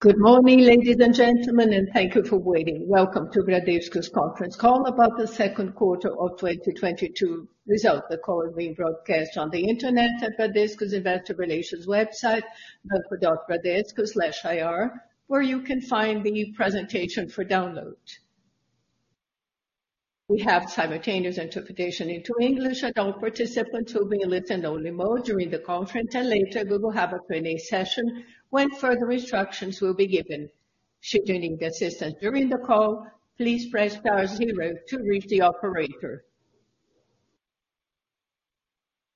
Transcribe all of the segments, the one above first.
Good morning, ladies and gentlemen, and thank you for waiting. Welcome to Bradesco's Conference Call About the Second Quarter of 2022 Result. The call is being broadcast on the Internet at Bradesco's Investor Relations website, bank.bradesco/ir, where you can find the presentation for download. We have simultaneous interpretation into English, and all participants will be in listen only mode during the conference. Later, we will have a Q&A session when further instructions will be given. Should you need any assistance during the call, please press star zero to reach the operator.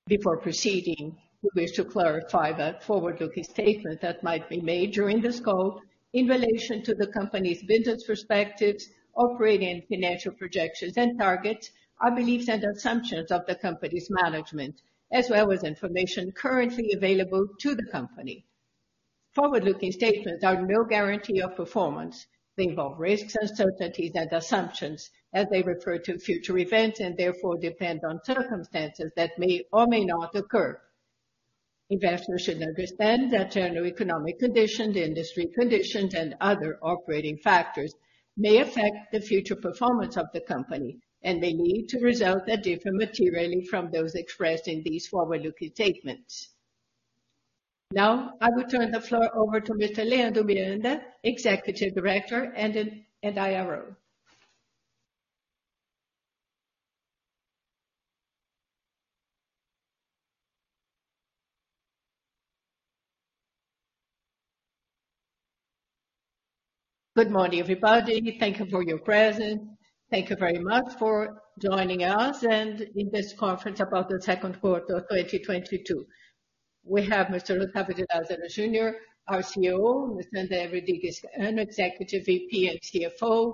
Before proceeding, we wish to clarify that forward-looking statements that might be made during this call in relation to the company's business perspectives, operating and financial projections and targets, are beliefs and assumptions of the company's management, as well as information currently available to the company. Forward-looking statements are no guarantee of performance. They involve risks, uncertainties, and assumptions as they refer to future events, and therefore depend on circumstances that may or may not occur. Investors should understand that general economic conditions, industry conditions, and other operating factors may affect the future performance of the company and may lead to results that differ materially from those expressed in these forward-looking statements. Now, I will turn the floor over to Mr. Leandro Miranda, Executive Director and IRO. Good morning, everybody. Thank you for your presence. Thank you very much for joining us in this conference about the second quarter of 2022. We have Mr. Octavio de Lazari Junior, our CEO, Ms. Tanda Ebredige, Executive VP and CFO,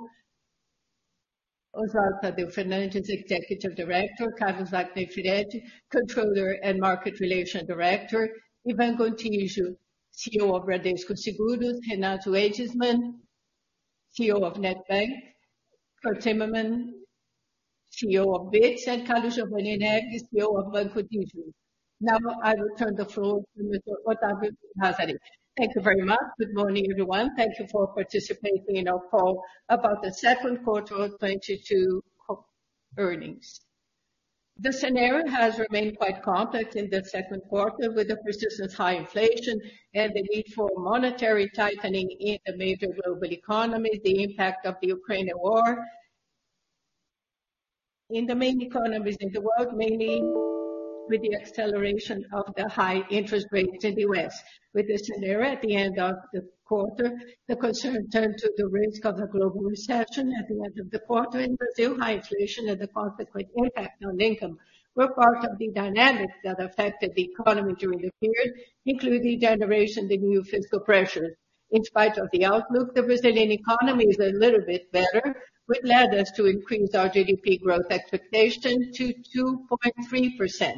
Oswaldo Tadeu Fernandes, Executive Director, Carlos Wagner Firetti, Controller and Market Relations Director, Ivan Gontijo, CEO of Bradesco Seguros, Renato Ejnisman, CEO of Next Bank, Curt Zimmermann, CEO of Bitz, and Carlos Giovani, CEO of Banco Digio. Now I will turn the floor to Mr. Octavio Lazari. Thank you very much. Good morning, everyone. Thank you for participating in our call about the second quarter of 2022 earnings. The scenario has remained quite complex in the second quarter, with the persistent high inflation and the need for monetary tightening in the major global economy, the impact of the Ukraine war. In the main economies in the world, mainly with the acceleration of the high interest rates in the U.S. With the scenario at the end of the quarter, the concern turned to the risk of a global recession at the end of the quarter. In Brazil, high inflation and the consequent impact on income were part of the dynamics that affected the economy during the period, including the generation of new fiscal pressures. In spite of the outlook, the Brazilian economy is a little bit better, which led us to increase our GDP growth expectation to 2.3%.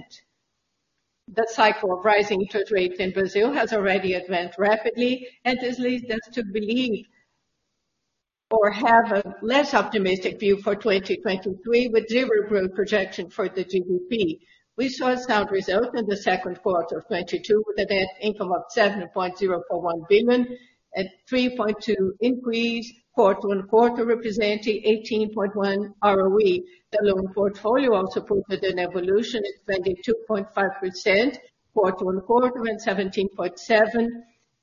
The cycle of rising interest rates in Brazil has already advanced rapidly, and this leads us to believe or have a less optimistic view for 2023, with 0% growth projection for the GDP. We saw a sound result in the second quarter of 2022, with a net income of 7.041 billion, a 3.2% increase quarter-on-quarter, representing 18.1% ROE. The loan portfolio also proved with an evolution at 22.5% quarter-over-quarter and 17.7%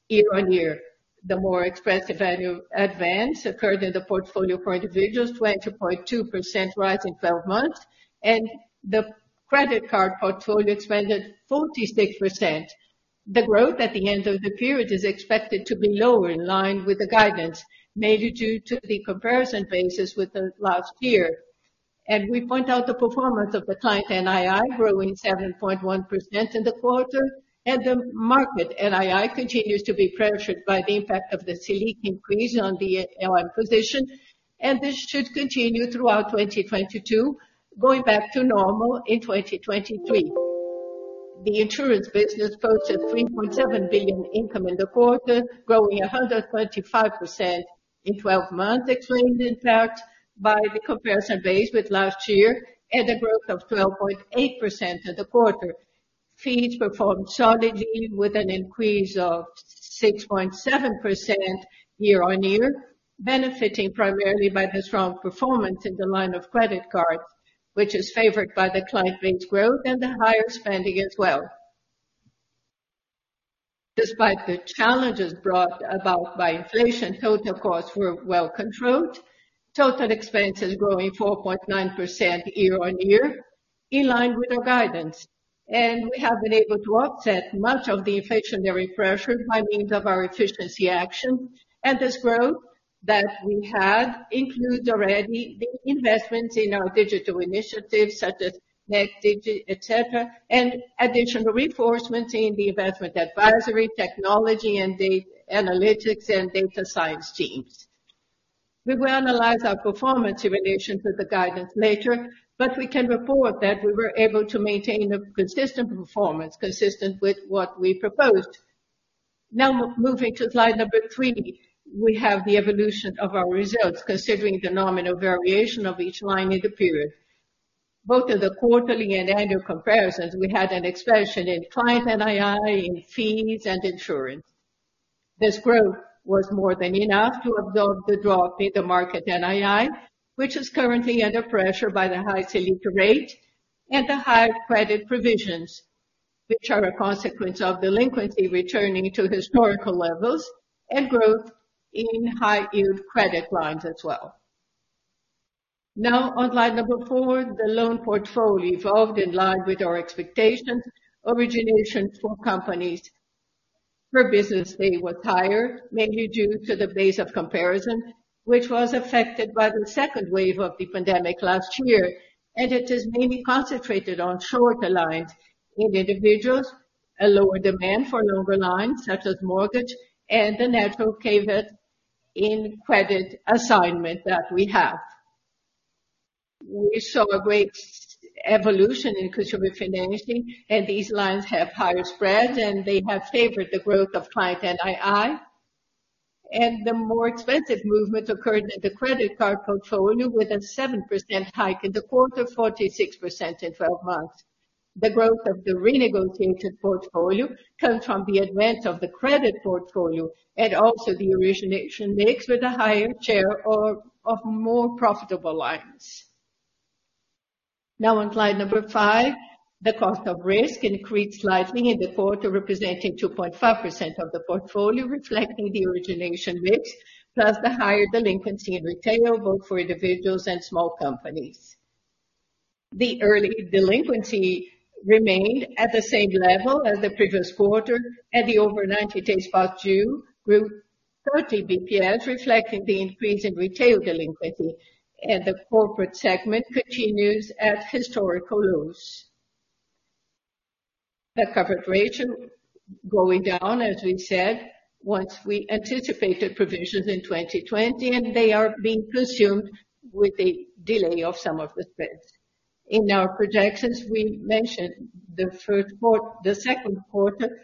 year-over-year. The more expressive value advance occurred in the portfolio for individuals, 20.2% rise in 12 months, and the credit card portfolio expanded 46%. The growth at the end of the period is expected to be lower, in line with the guidance, mainly due to the comparison basis with the last year. We point out the performance of the client NII, growing 7.1% in the quarter, and the market NII continues to be pressured by the impact of the Selic increase on the ALM position, and this should continue throughout 2022, going back to normal in 2023. The insurance business posted 3.7 billion income in the quarter, growing 125% in 12 months, explained in fact by the comparison base with last year and a growth of 12.8% in the quarter. Fees performed solidly with an increase of 6.7% year-on-year, benefiting primarily by the strong performance in the line of credit cards, which is favored by the client base growth and the higher spending as well. Despite the challenges brought about by inflation, total costs were well controlled. Total expenses growing 4.9% year-on-year, in line with our guidance. We have been able to offset much of the inflationary pressure by means of our efficiency action. This growth that we have includes already the investments in our digital initiatives such as Next, Digio, et cetera, and additional reinforcements in the investment advisory, technology, and data analytics and data science teams. We will analyze our performance in relation to the guidance later, but we can report that we were able to maintain a consistent performance with what we proposed. Now moving to slide number three, we have the evolution of our results considering the nominal variation of each line in the period. In both the quarterly and annual comparisons, we had an expansion in client NII, in fees and insurance. This growth was more than enough to absorb the drop in the market NII, which is currently under pressure by the high Selic rate and the high credit provisions, which are a consequence of delinquency returning to historical levels and growth in high yield credit lines as well. Now on slide number four, the loan portfolio evolved in line with our expectations. Origination for companies per business day was higher, mainly due to the base of comparison, which was affected by the second wave of the pandemic last year. It is mainly concentrated on shorter lines in individuals, a lower demand for longer lines such as mortgage, and the natural caveat in credit assignment that we have. We saw a great evolution in consumer financing, and these lines have higher spreads, and they have favored the growth of client NII. The more expensive movement occurred in the credit card portfolio with a 7% hike in the quarter, 46% in 12 months. The growth of the renegotiated portfolio comes from the advance of the credit portfolio and also the origination mix with a higher share of more profitable lines. Now on slide number five, the cost of risk increased slightly in the quarter representing 2.5% of the portfolio, reflecting the origination mix, plus the higher delinquency in retail, both for individuals and small companies. The early delinquency remained at the same level as the previous quarter, and the over 90 days past due grew 30 BPS, reflecting the increase in retail delinquency. The corporate segment continues at historical lows. The covered ratio going down, as we said, once we anticipated provisions in 2020, and they are being consumed with a delay of some of the spreads. In our projections, we mentioned the second quarter,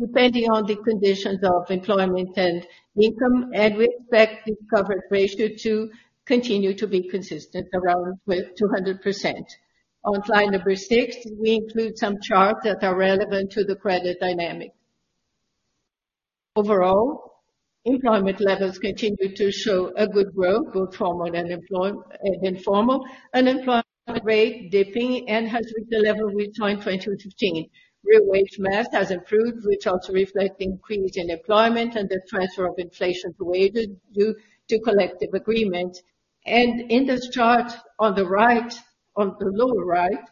depending on the conditions of employment and income, and we expect the coverage ratio to continue to be consistent around with 200%. On slide number six, we include some charts that are relevant to the credit dynamic. Overall, employment levels continue to show a good growth, both formal and informal. Unemployment rate dipping, and has reached the level we saw in 2015. Real wage mass has improved, which also reflects the increase in employment and the transfer of inflation to wages due to collective agreement. In this chart on the right, on the lower right,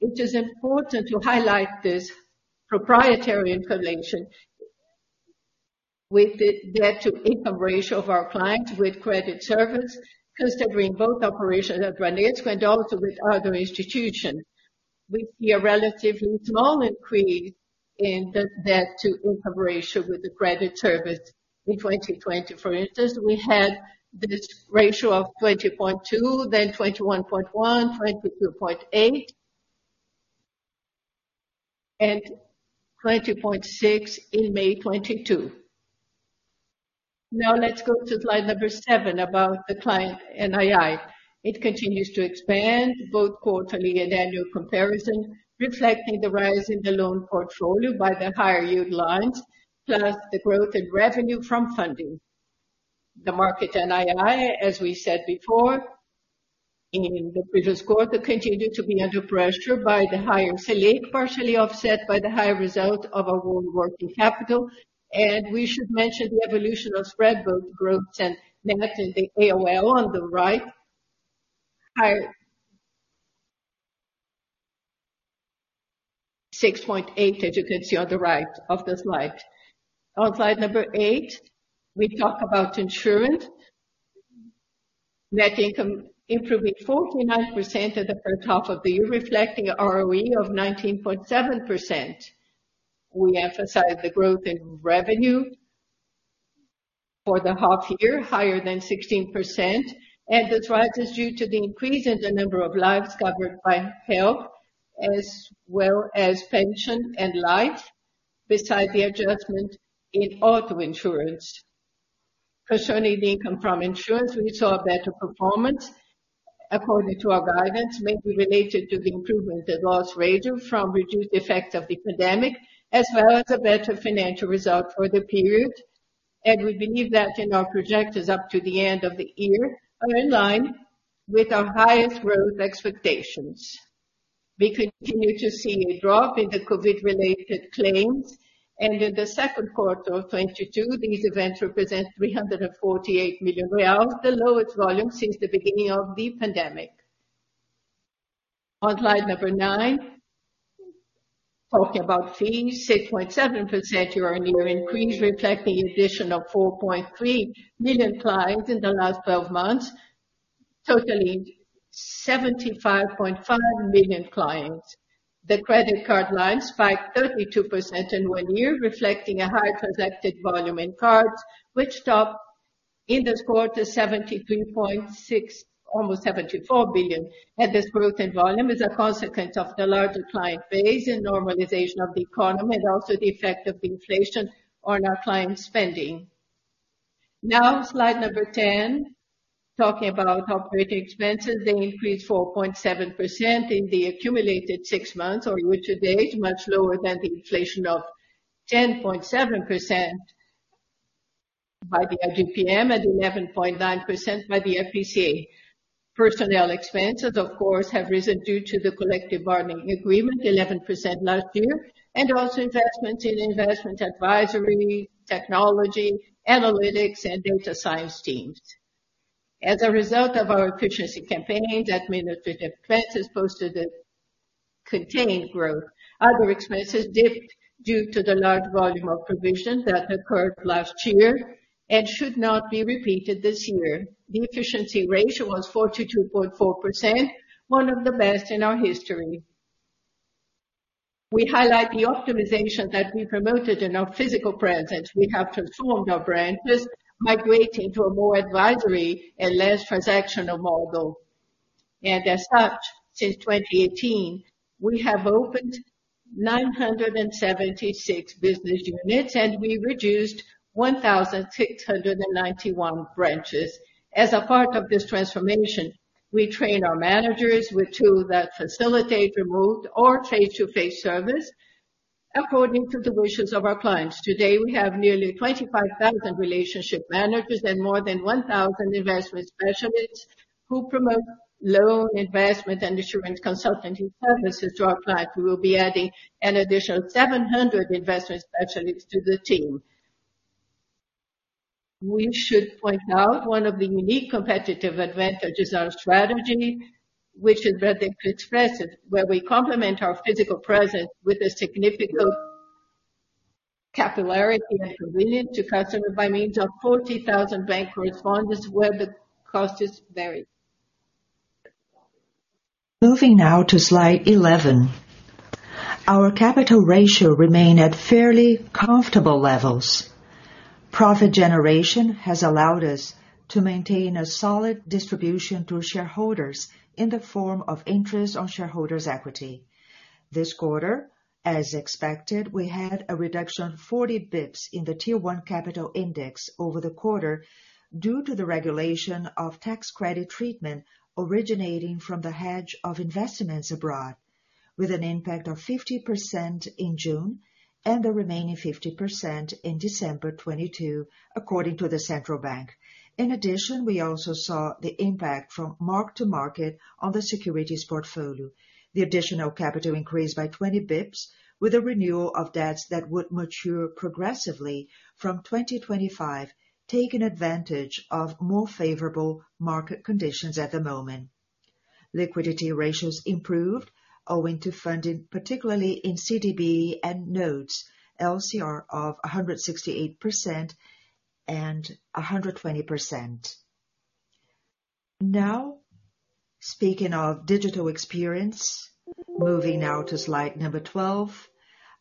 it is important to highlight this proprietary information with the debt to income ratio of our clients with credit service, considering both operations at [Next] and also with other institutions. We see a relatively small increase in the debt to income ratio with the credit service in 2020. For instance, we had this ratio of 20.2%, then 21.1%, 22.8%, and 20.6% in May 2022. Now let's go to slide number seven about the client NII. It continues to expand both quarterly and annual comparison, reflecting the rise in the loan portfolio by the higher yield lines, plus the growth in revenue from funding. The market NII, as we said before, in the previous quarter, continued to be under pressure by the higher Selic, partially offset by the higher result of our own working capital. We should mention the evolution of spread both growth and net in the ALM on the right, high 6.8, as you can see on the right of the slide. On slide number eight, we talk about insurance. Net income improving 49% at the first half of the year, reflecting a ROE of 19.7%. We emphasize the growth in revenue for the half year, higher than 16%, and this rise is due to the increase in the number of lives covered by health as well as pension and life, beside the adjustment in auto insurance. Concerning the income from insurance, we saw a better performance according to our guidance, mainly related to the improvement in loss ratio from reduced effects of the pandemic, as well as a better financial result for the period. We believe that in our projections up to the end of the year are in line with our highest growth expectations. We continue to see a drop in the COVID-related claims, and in the second quarter of 2022, these events represent 348 million reais, the lowest volume since the beginning of the pandemic. On slide number nine, talking about fees, 6.7% year-on-year increase reflecting the addition of 4.3 million clients in the last 12 months, totaling 75.5 million clients. The credit card lines spiked 32% in one year, reflecting a higher transacted volume in cards, which topped In this quarter, 73.6 billion, almost 74 billion. This growth in volume is a consequence of the larger client base and normalization of the economy, and also the effect of inflation on our clients' spending. Now slide number 10, talking about operating expenses. They increased 4.7% in the accumulated six months, or year-to-date, much lower than the inflation of 10.7% by the IGPM, at 11.9% by the IPCA. Personnel expenses, of course, have risen due to the collective bargaining agreement, 11% last year, and also investments in investment advisory, technology, analytics, and data science teams. As a result of our efficiency campaign, administrative expenses posted a contained growth. Other expenses dipped due to the large volume of provisions that occurred last year and should not be repeated this year. The efficiency ratio was 42.4%, one of the best in our history. We highlight the optimization that we promoted in our physical presence. We have transformed our branches, migrating to a more advisory and less transactional model. As such, since 2018, we have opened 976 business units, and we reduced 1,691 branches. As a part of this transformation, we trainned our managers with tools that facilitate remote or face-to-face service according to the wishes of our clients. Today, we have nearly 25,000 relationship managers and more than 1,000 investment specialists who promote loan investment and insurance consulting services to our clients. We will be adding an additional 700 investment specialists to the team. We should point out one of the unique competitive advantages, our strategy, which is very expressive, where we complement our physical presence with a significant capillarity and convenience to customers by means of 40,000 bank correspondents. Moving now to slide 11. Our capital ratio remain at fairly comfortable levels. Profit generation has allowed us to maintain a solid distribution to shareholders in the form of interest on shareholders' equity. This quarter, as expected, we had a reduction 40 bps in the tier one capital index over the quarter due to the regulation of tax credit treatment originating from the hedge of investments abroad, with an impact of 50% in June and the remaining 50% in December 2022, according to the central bank. In addition, we also saw the impact from mark-to-market on the securities portfolio. The additional capital increased by 20 bps with a renewal of debts that would mature progressively from 2025, taking advantage of more favorable market conditions at the moment. Liquidity ratios improved owing to funding, particularly in CDB and notes, LCR of 168% and 120%. Now speaking of digital experience, moving now to slide number 12.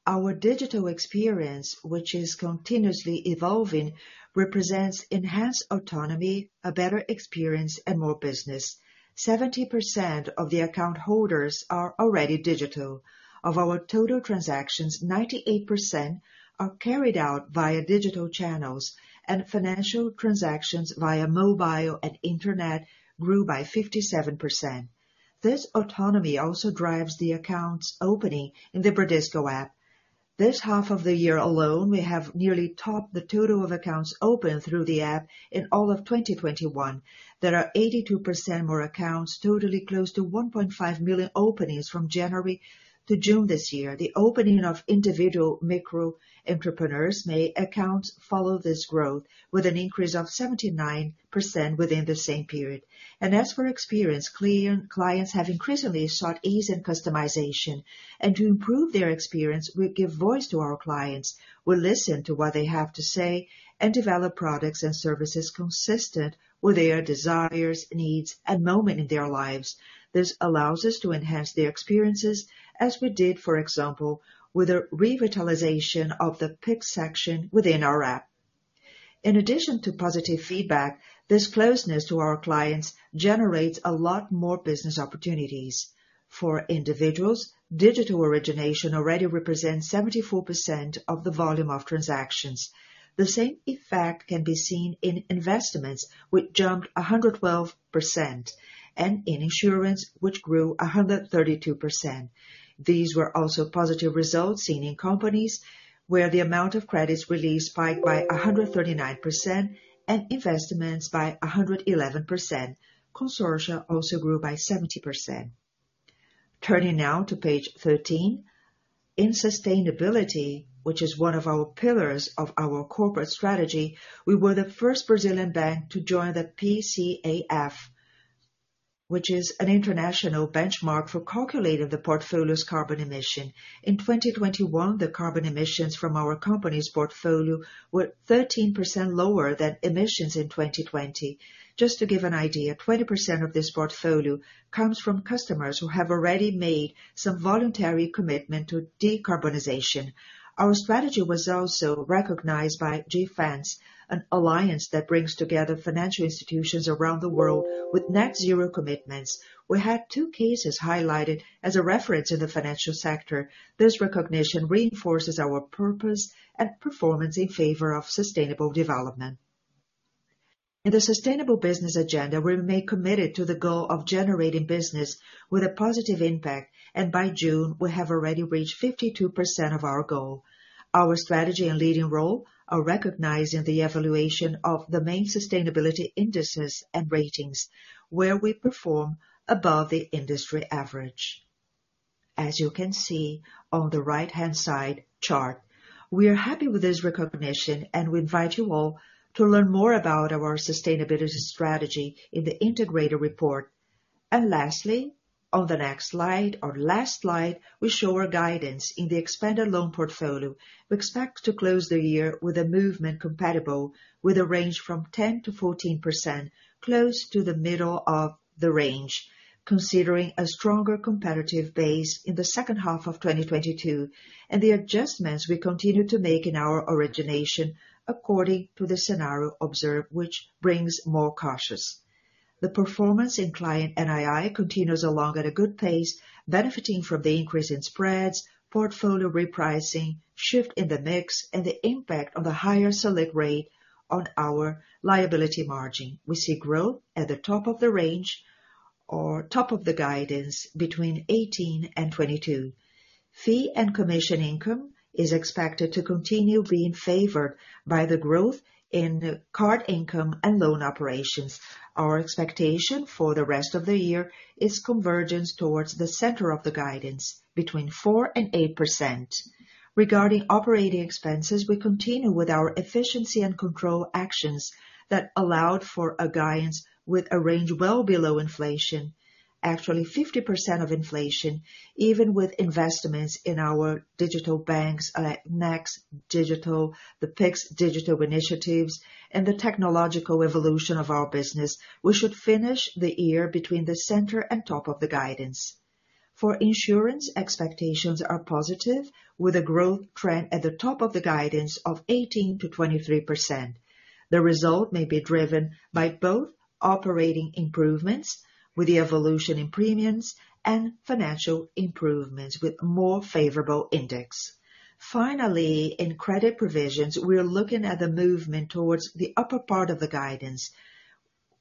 Our digital experience, which is continuously evolving, represents enhanced autonomy, a better experience and more business. 70% of the account holders are already digital. Of our total transactions, 98% are carried out via digital channels, and financial transactions via mobile and internet grew by 57%. This autonomy also drives the accounts opening in the Bradesco app. This half of the year alone, we have nearly topped the total of accounts opened through the app in all of 2021. There are 82% more accounts, totaling close to 1.5 million openings from January to June this year. The opening of individual micro entrepreneurs made accounts follow this growth with an increase of 79% within the same period. As for experience, clean clients have increasingly sought ease and customization. To improve their experience, we give voice to our clients. We listen to what they have to say and develop products and services consistent with their desires, needs and moment in their lives. This allows us to enhance their experiences as we did, for example, with the revitalization of the Pix section within our app. In addition to positive feedback, this closeness to our clients generates a lot more business opportunities. For individuals, digital origination already represents 74% of the volume of transactions. The same effect can be seen in investments, which jumped 112%, and in insurance, which grew 132%. These were also positive results seen in companies where the amount of credits released spiked by 139% and investments by 111%. Consortia also grew by 70%. Turning now to page 13. In sustainability, which is one of our pillars of our corporate strategy, we were the first Brazilian bank to join the PCAF, which is an international benchmark for calculating the portfolio's carbon emission. In 2021, the carbon emissions from our company's portfolio were 13% lower than emissions in 2020. Just to give an idea, 20% of this portfolio comes from customers who have already made some voluntary commitment to decarbonization. Our strategy was also recognized by GFANZ, an alliance that brings together financial institutions around the world with net zero commitments. We had two cases highlighted as a reference in the financial sector. This recognition reinforces our purpose and performance in favor of sustainable development. In the sustainable business agenda, we remain committed to the goal of generating business with a positive impact, and by June, we have already reached 52% of our goal. Our strategy and leading role are recognized in the evaluation of the main sustainability indices and ratings, where we perform above the industry average. As you can see on the right-hand side chart, we are happy with this recognition, and we invite you all to learn more about our sustainability strategy in the integrated report. Lastly, on the next slide, our last slide, we show our guidance in the expanded loan portfolio. We expect to close the year with a movement compatible with a range from 10%-14% close to the middle of the range, considering a stronger competitive base in the second half of 2022, and the adjustments we continue to make in our origination according to the scenario observed, which brings more caution. The performance in client NII continues along at a good pace, benefiting from the increase in spreads, portfolio repricing, shift in the mix, and the impact of the higher Selic rate on our liability margin. We see growth at the top of the range or top of the guidance between 18%-22%. Fee and commission income is expected to continue being favored by the growth in card income and loan operations. Our expectation for the rest of the year is convergence towards the center of the guidance between 4%-8%. Regarding operating expenses, we continue with our efficiency and control actions that allowed for a guidance with a range well below inflation. Actually, 50% of inflation, even with investments in our digital banks, Next digital, the Pix digital initiatives, and the technological evolution of our business. We should finish the year between the center and top of the guidance. For insurance, expectations are positive with a growth trend at the top of the guidance of 18%-23%. The result may be driven by both operating improvements with the evolution in premiums and financial improvements with more favorable index. Finally, in credit provisions, we're looking at the movement towards the upper part of the guidance,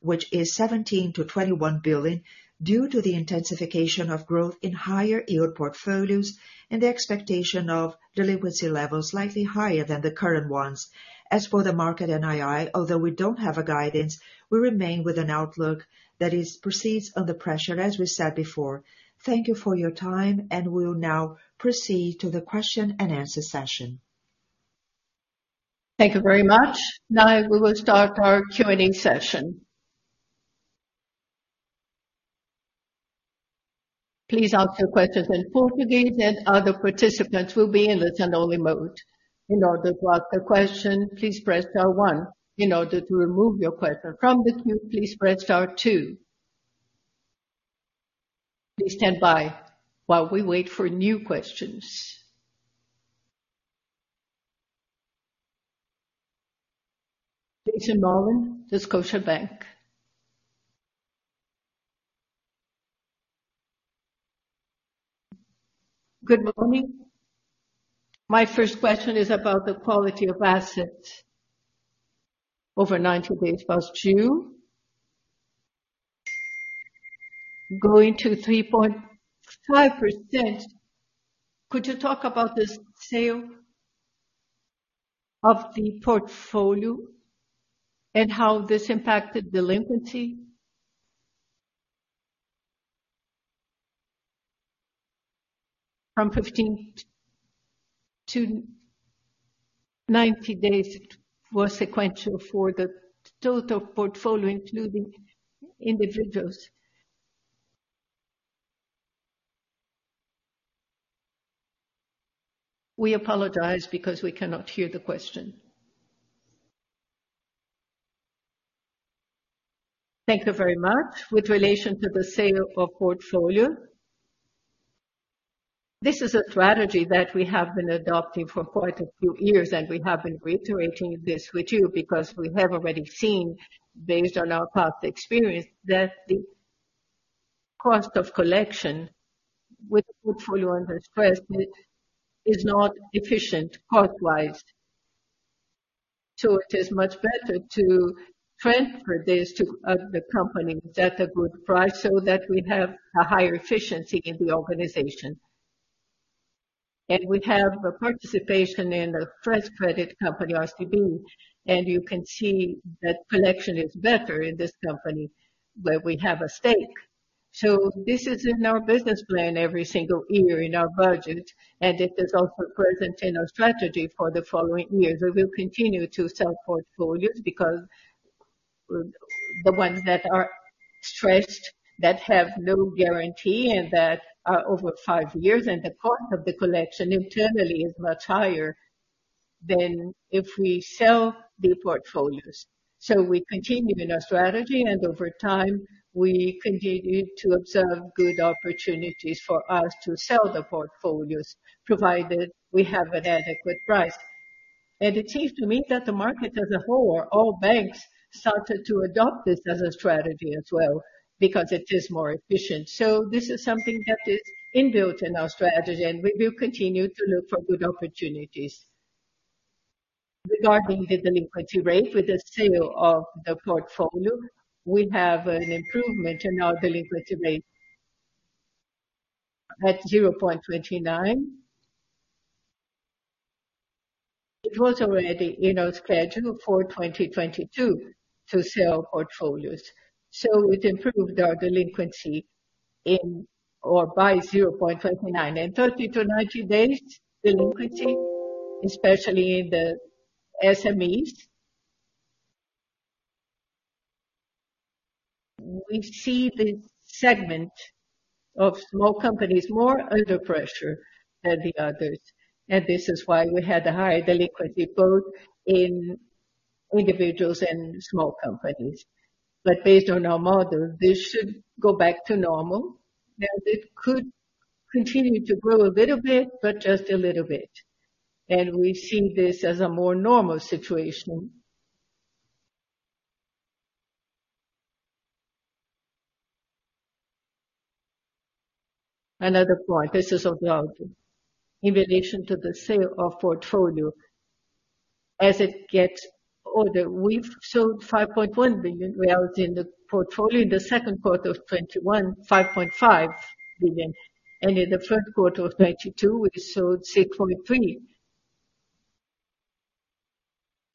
which is 17 billion-21 billion, due to the intensification of growth in higher yield portfolios and the expectation of delinquency levels slightly higher than the current ones. As for the market NII, although we don't have a guidance, we remain with an outlook that is precedes to the pressure as we said before. Thank you for your time, and we'll now proceed to the question and answer session. Thank you very much. Now we will start our Q&A session. Please ask your questions in full. The other participants will be in listen-only mode. In order to ask a question, please press star one. In order to remove your question from the queue, please press star two. Please stand by while we wait for new questions. Jason Mollin, Scotiabank. Good morning. My first question is about the quality of assets. Over 90 days past due, going to 3.5%. Could you talk about the sale of the portfolio and how this impacted delinquency? From 15 to 90 days was sequential for the total portfolio, including individuals. We apologize because we cannot hear the question. Thank you very much. With relation to the sale of portfolio, this is a strategy that we have been adopting for quite a few years, and we have been reiterating this with you because we have already seen, based on our past experience, that the cost of collection with portfolio under stress is not efficient cost-wise. It is much better to transfer this to other companies at a good price so that we have a higher efficiency in the organization. We have a participation in a fresh credit company, RCB, and you can see that collection is better in this company where we have a stake. This is in our business plan every single year in our budget. It is also present in our strategy for the following years. We will continue to sell portfolios because the ones that are stressed, that have no guarantee and that are over five years, and the cost of the collection internally is much higher than if we sell the portfolios. We continue in our strategy and over time, we continue to observe good opportunities for us to sell the portfolios, provided we have an adequate price. It seems to me that the market as a whole, all banks started to adopt this as a strategy as well because it is more efficient. This is something that is inbuilt in our strategy, and we will continue to look for good opportunities. Regarding the delinquency rate with the sale of the portfolio, we have an improvement in our delinquency rate at 0.29%. It was already, you know, scheduled for 2022 to sell portfolios. It improved our delinquency by 0.29%. 30-90 days delinquency, especially in the SMEs. We see the segment of small companies more under pressure than the others, and this is why we had a high delinquency both in individuals and small companies. Based on our model, this should go back to normal. Now, it could continue to grow a little bit, but just a little bit, and we see this as a more normal situation. Another point, this is about in relation to the sale of portfolio. As it gets older, we've sold 5.1 billion in the portfolio. In the second quarter of 2021, 5.5 billion. In the first quarter of 2022, we sold 6.3 billion.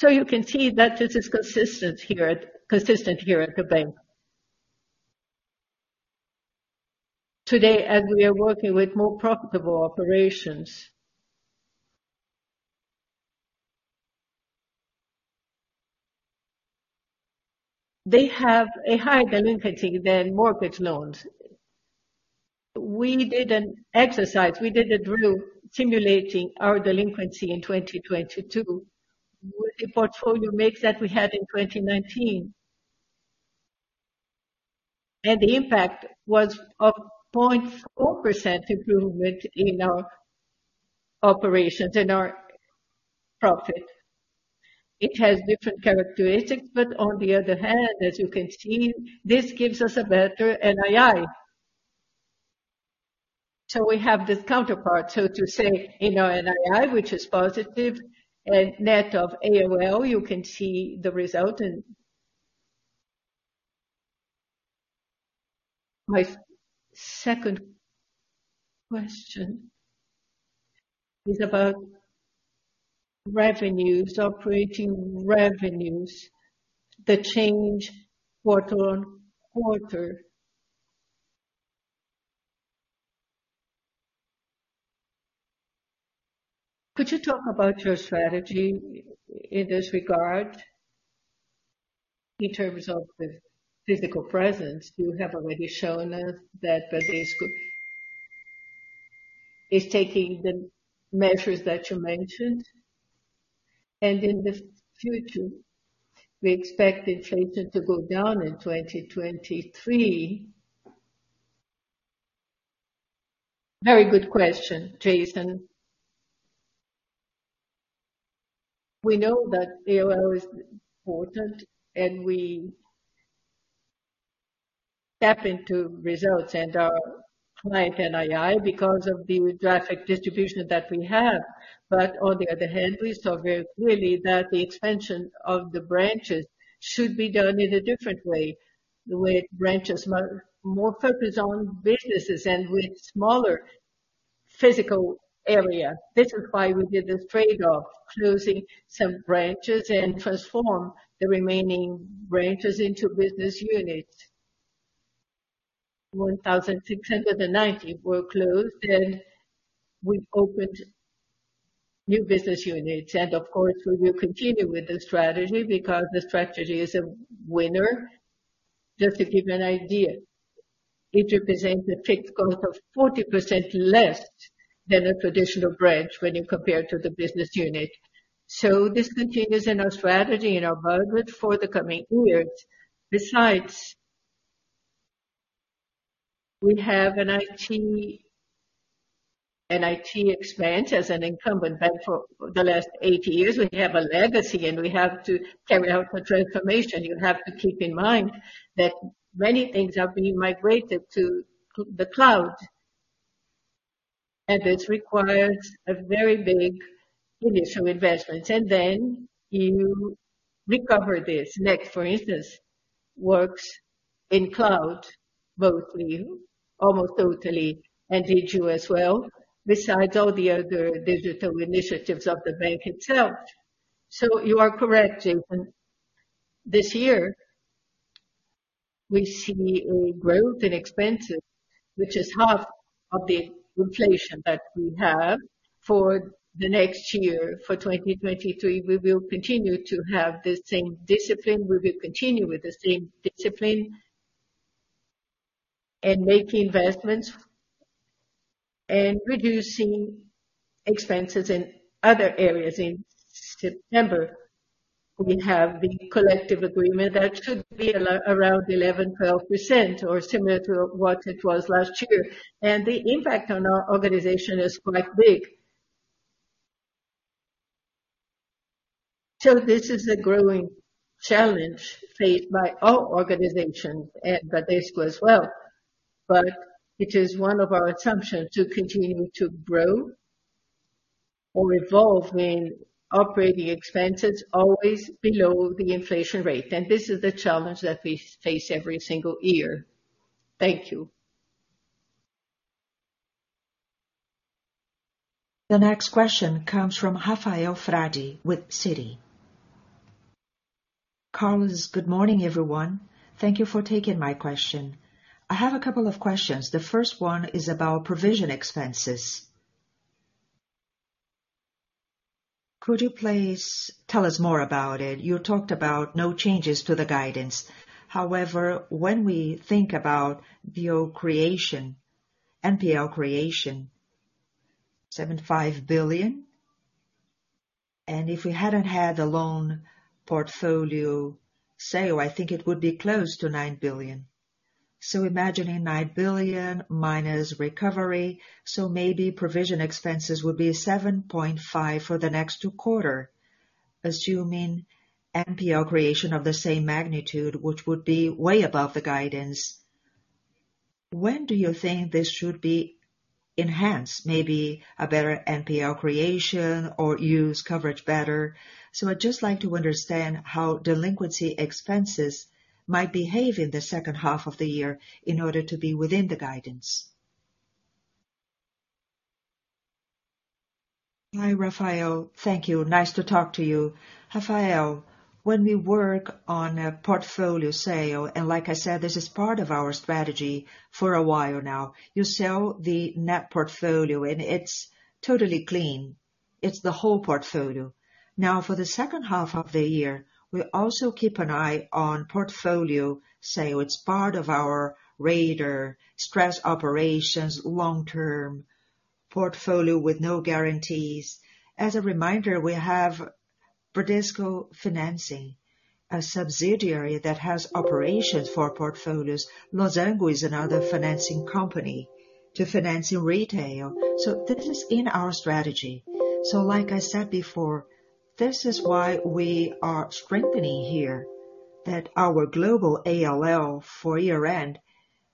You can see that this is consistent here at the bank. Today, as we are working with more profitable operations. They have a higher delinquency than mortgage loans. We did an exercise. We did a drill simulating our delinquency in 2022 with the portfolio mix that we had in 2019. The impact was of 0.4% improvement in our operations, in our profit. It has different characteristics, but on the other hand, as you can see, this gives us a better NII. We have this counterpart. To say in our NII, which is positive and net of ALM, you can see the result and. My second question is about revenues, operating revenues that change quarter-over-quarter. Could you talk about your strategy in this regard? In terms of the physical presence, you have already shown us that Bradesco is taking the measures that you mentioned. In the future, we expect inflation to go down in 2023. Very good question, Jason. We know that ALM is important, and we tap into results and our client NII because of the geographic distribution that we have. On the other hand, we saw very clearly that the expansion of the branches should be done in a different way. The way branches more focused on businesses and with smaller physical area. This is why we did this trade-off, closing some branches and transform the remaining branches into business units. 1,690 were closed, and we opened new business units. Of course, we will continue with this strategy because the strategy is a winner. Just to give you an idea, it represents a fixed cost of 40% less than a traditional branch when you compare to the business unit. This continues in our strategy and our budget for the coming years. Besides, we have an IT expense as an incumbent bank for the last 80 years. We have a legacy, and we have to carry out a transformation. You have to keep in mind that many things are being migrated to the cloud, and it requires a very big initial investment, and then you recover this. Next, for instance, works in cloud, mostly, almost totally, and Digio as well, besides all the other digital initiatives of the bank itself. You are correct, Jason. This year, we see a growth in expenses, which is half of the inflation that we have. For the next year, for 2023, we will continue to have the same discipline. We will continue with the same discipline and make investments and reducing expenses in other areas. In September, we have the collective agreement that should be around 11-12% or similar to what it was last year. The impact on our organization is quite big. This is a growing challenge faced by all organizations and Bradesco as well. It is one of our assumptions to continue to grow. Evolve in operating expenses always below the inflation rate. This is the challenge that we face every single year. Thank you. The next question comes from Rafael Frade with Citi. Carlos, good morning, everyone. Thank you for taking my question. I have a couple of questions. The first one is about provision expenses. Could you please tell us more about it? You talked about no changes to the guidance. However, when we think about your creation, NPL creation, 75 billion, and if we hadn't had a loan portfolio sale, I think it would be close to 9 billion. So imagining 9 billion minus recovery, so maybe provision expenses would be 7.5 billion for the next two quarters, assuming NPL creation of the same magnitude, which would be way above the guidance. When do you think this should be enhanced? Maybe a better NPL creation or use coverage better. I'd just like to understand how delinquency expenses might behave in the second half of the year in order to be within the guidance. Hi, Rafael. Thank you. Nice to talk to you. Rafael, when we work on a portfolio sale, and like I said, this is part of our strategy for a while now, you sell the net portfolio and it's totally clean. It's the whole portfolio. Now, for the second half of the year, we also keep an eye on portfolio sale. It's part of our radar, stress operations, long-term portfolio with no guarantees. As a reminder, we have Bradesco Financiamentos, a subsidiary that has operations for portfolios. Losango is another financing company to financing retail. So this is in our strategy. Like I said before, this is why we are strengthening here that our global ALL for year-end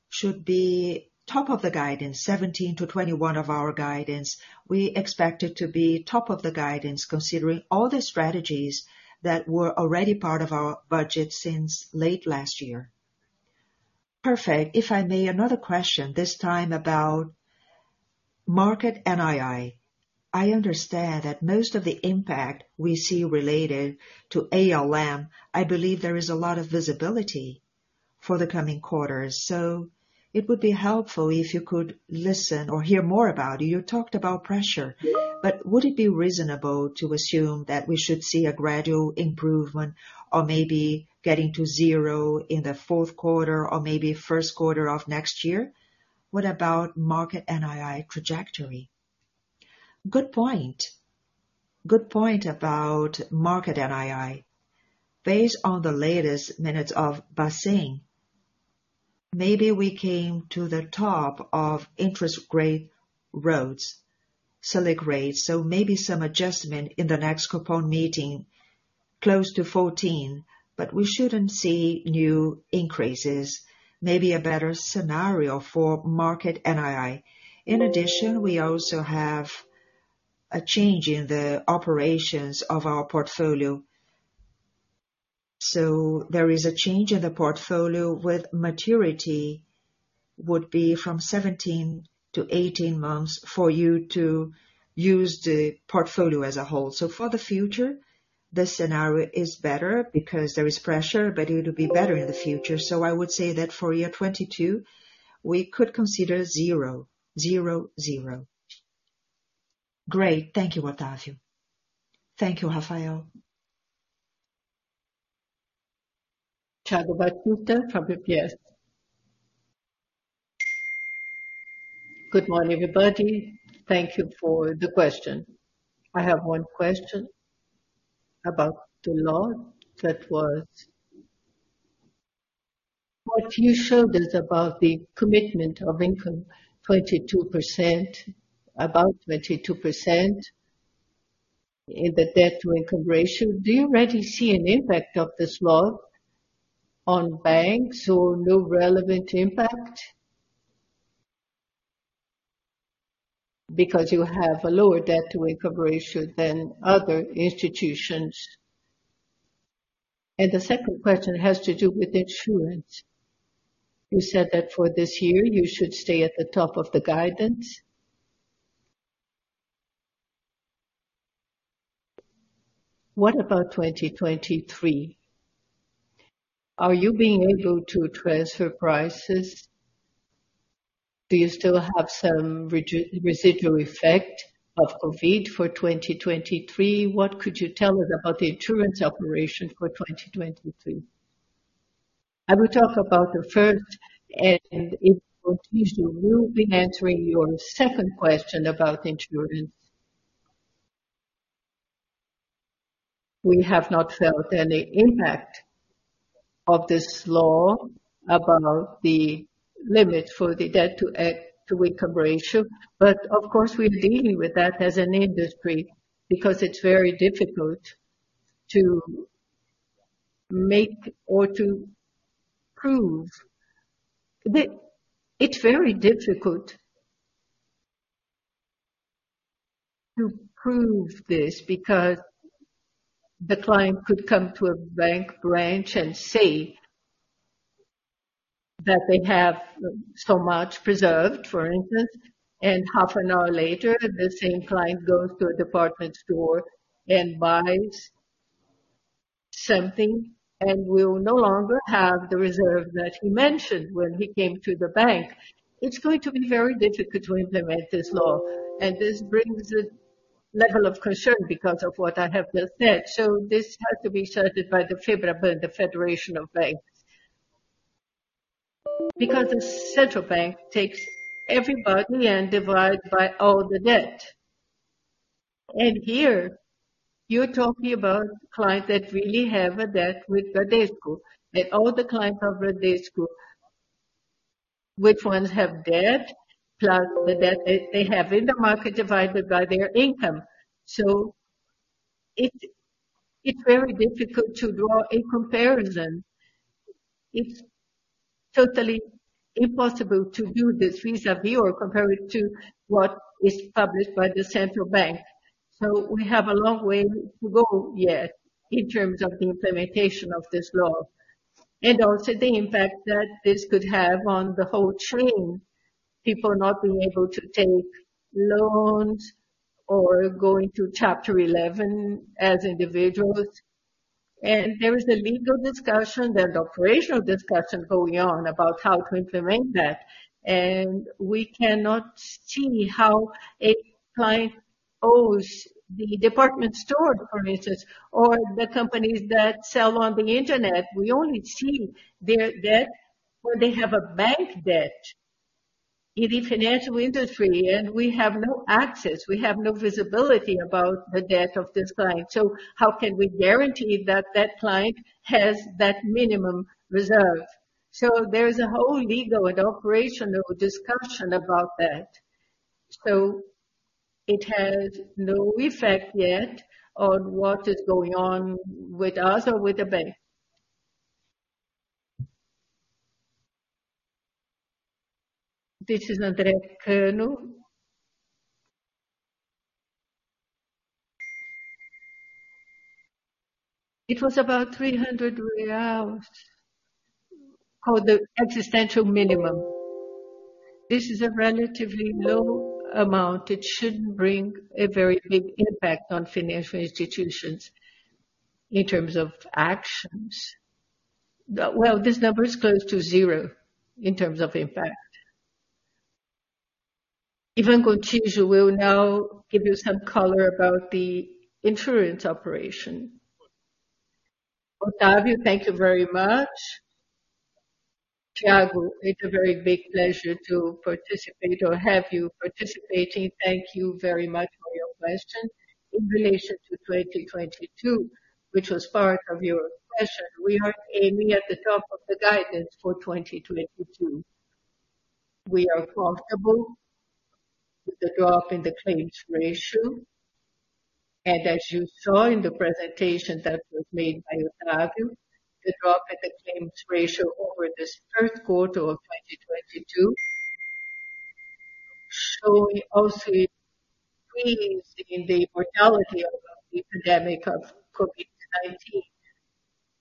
should be top of the guidance, 17-21 of our guidance. We expect it to be top of the guidance, considering all the strategies that were already part of our budget since late last year. Perfect. If I may, another question, this time about market NII. I understand that most of the impact we see related to ALM. I believe there is a lot of visibility for the coming quarters. It would be helpful if you could listen or hear more about it. You talked about pressure, but would it be reasonable to assume that we should see a gradual improvement or maybe getting to zero in the fourth quarter or maybe first quarter of next year? What about market NII trajectory? Good point about market NII. Based on the latest minutes of BACEN, maybe we came to the top of interest rate cycle, Selic rates. Maybe some adjustment in the next Copom meeting, close to 14, but we shouldn't see new increases. Maybe a better scenario for market NII. In addition, we also have a change in the operations of our portfolio. There is a change in the portfolio with maturity would be from 17 to 18 months for you to use the portfolio as a whole. For the future, the scenario is better because there is pressure, but it will be better in the future. I would say that for year 2022, we could consider ,zero, zero. Great. Thank you, Octavio. Thank you, Rafael. Thiago Batista from UBS. Good morning, everybody. Thank you for the question. I have one question about the law. What you showed us about the commitment of income 22%, about 22% in the debt-to-income ratio, do you already see an impact of this law on banks or no relevant impact? Because you have a lower debt-to-income ratio than other institutions. The second question has to do with insurance. You said that for this year, you should stay at the top of the guidance. What about 2023? Are you being able to transfer prices? Do you still have some residual effect of COVID for 2023? What could you tell us about the insurance operation for 2023? I will talk about the first, and Ivan Gontijo will be answering your second question about insurance. We have not felt any impact of this law about the limit for the debt-to-income ratio. Of course, we're dealing with that as an industry because it's very difficult to Moreover, to prove that it's very difficult to prove this because the client could come to a bank branch and say that they have so much reserve, for instance, and half an hour later, the same client goes to a department store and buys something and will no longer have the reserve that he mentioned when he came to the bank. It's going to be very difficult to implement this law, and this brings a level of concern because of what I have just said. This has to be sorted by the FEBRABAN, the Federation of Banks. Because the central bank takes everybody and divides by all the debt. Here you're talking about clients that really have a debt with Bradesco, that all the clients of Bradesco, which ones have debt plus the debt they have in the market divided by their income. It's very difficult to draw a comparison. It's totally impossible to do this vis-à-vis or compare it to what is published by the central bank. We have a long way to go yet in terms of the implementation of this law and also the impact that this could have on the whole chain, people not being able to take loans or going to Chapter Eleven as individuals. There is a legal discussion and operational discussion going on about how to implement that. We cannot see how much a client owes the department store, for instance, or the companies that sell on the internet. We only see their debt when they have a bank debt in the financial industry, and we have no access, we have no visibility about the debt of this client. How can we guarantee that that client has that minimum reserve? There's a whole legal and operational discussion about that. It has no effect yet on what is going on with us or with the bank. This is André Cano. It was about 300 reais, called the existential minimum. This is a relatively low amount. It shouldn't bring a very big impact on financial institutions in terms of actions. Well, this number is close to zero in terms of impact. Ivan Gontijo will now give you some color about the insurance operation. Octavio, thank you very much. Thiago, it's a very big pleasure to participate or have you participating. Thank you very much for your question. In relation to 2022, which was part of your question, we are aiming at the top of the guidance for 2022. We are comfortable with the drop in the claims ratio, and as you saw in the presentation that was made by Octavio, the drop in the claims ratio over this third quarter of 2022 showing also decrease in the mortality of the COVID-19 pandemic.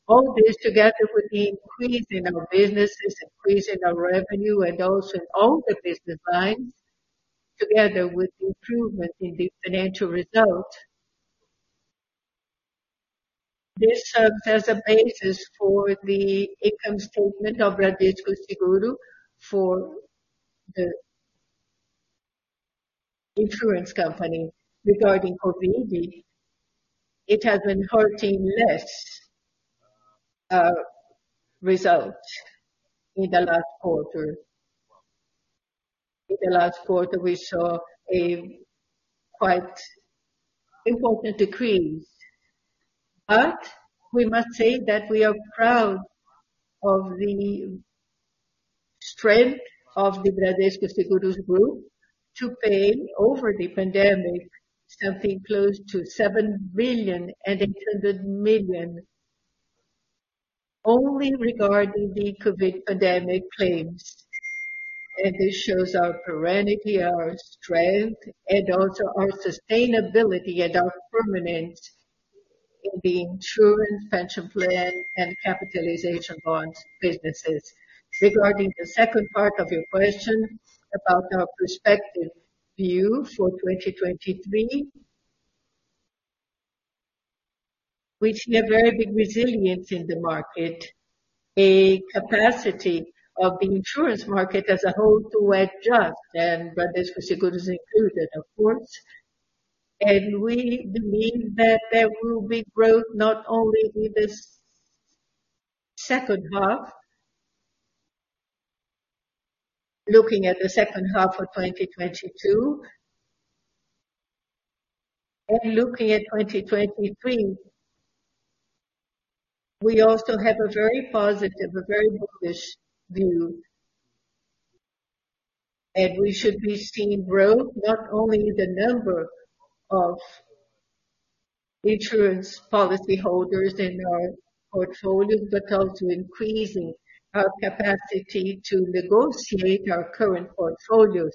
All this together with the increase in our businesses, increase in our revenue and also in all the business lines, together with improvement in the financial results. This serves as a basis for the income statement of Bradesco Seguros for the insurance company. Regarding COVID, it has been hurting less results in the last quarter. In the last quarter, we saw a quite important decrease. We must say that we are proud of the strength of the Bradesco Seguros group to pay during the pandemic something close to BRL 7.8 billion only regarding the COVID-19 pandemic claims. This shows our serenity, our strength, and also our sustainability and our permanence in the insurance pension plan and capitalization bonds businesses. Regarding the second part of your question about our perspective view for 2023, we've seen a very big resilience in the market, a capacity of the insurance market as a whole to adjust, and Bradesco Seguros included, of course. We believe that there will be growth not only with this second half. Looking at the second half of 2022 and looking at 2023, we also have a very positive, a very bullish view. We should be seeing growth, not only in the number of insurance policy holders in our portfolio, but also increasing our capacity to negotiate our current portfolios,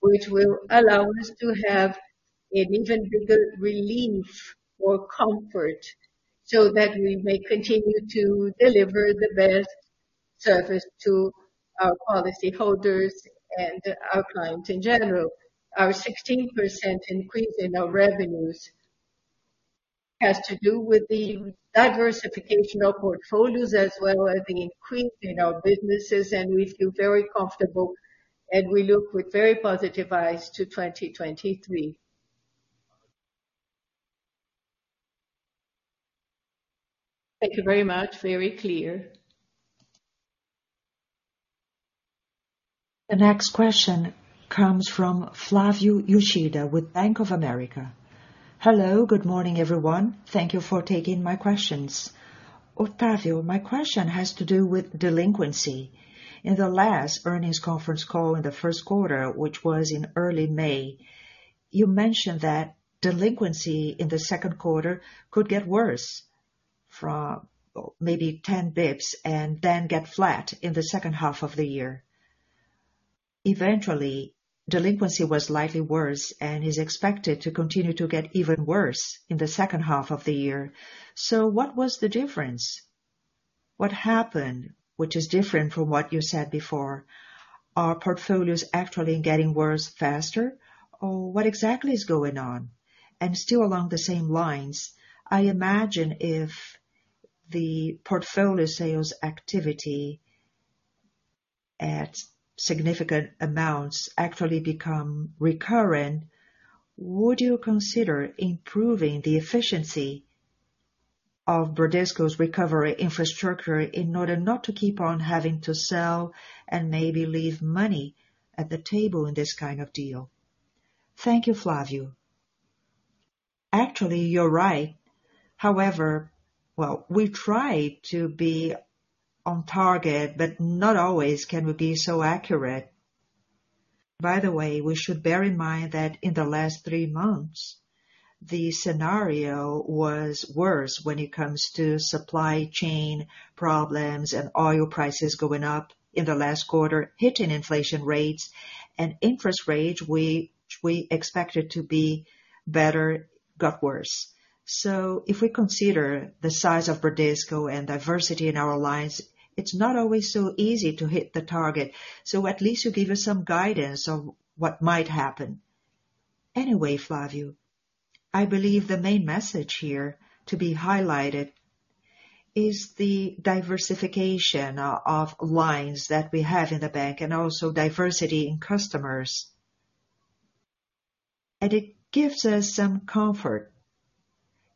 which will allow us to have an even bigger relief or comfort so that we may continue to deliver the best service to our policy holders and our clients in general. Our 16% increase in our revenues has to do with the diversification of portfolios as well as the increase in our businesses. We feel very comfortable and we look with very positive eyes to 2023. Thank you very much. Very clear. The next question comes from Flavio Yoshida with Bank of America. Hello. Good morning, everyone. Thank you for taking my questions. Octavio, my question has to do with delinquency. In the last earnings conference call in the first quarter, which was in early May, you mentioned that delinquency in the second quarter could get worse from maybe 10 basis points and then get flat in the second half of the year. Eventually, delinquency was slightly worse and is expected to continue to get even worse in the second half of the year. What was the difference? What happened, which is different from what you said before? Are portfolios actually getting worse faster, or what exactly is going on? Still along the same lines, I imagine if the portfolio sales activity at significant amounts actually become recurring, would you consider improving the efficiency of Bradesco's recovery infrastructure in order not to keep on having to sell and maybe leave money at the table in this kind of deal? Thank you, Flavio. Actually, you're right. However, well, we try to be on target, but not always can we be so accurate. By the way, we should bear in mind that in the last three months, the scenario was worse when it comes to supply chain problems and oil prices going up in the last quarter, hitting inflation rates and interest rates, which we expected to be better, got worse. If we consider the size of Bradesco and diversity in our lines, it's not always so easy to hit the target. At least you give us some guidance on what might happen. Anyway, Flavio, I believe the main message here to be highlighted is the diversification of lines that we have in the bank and also diversity in customers. It gives us some comfort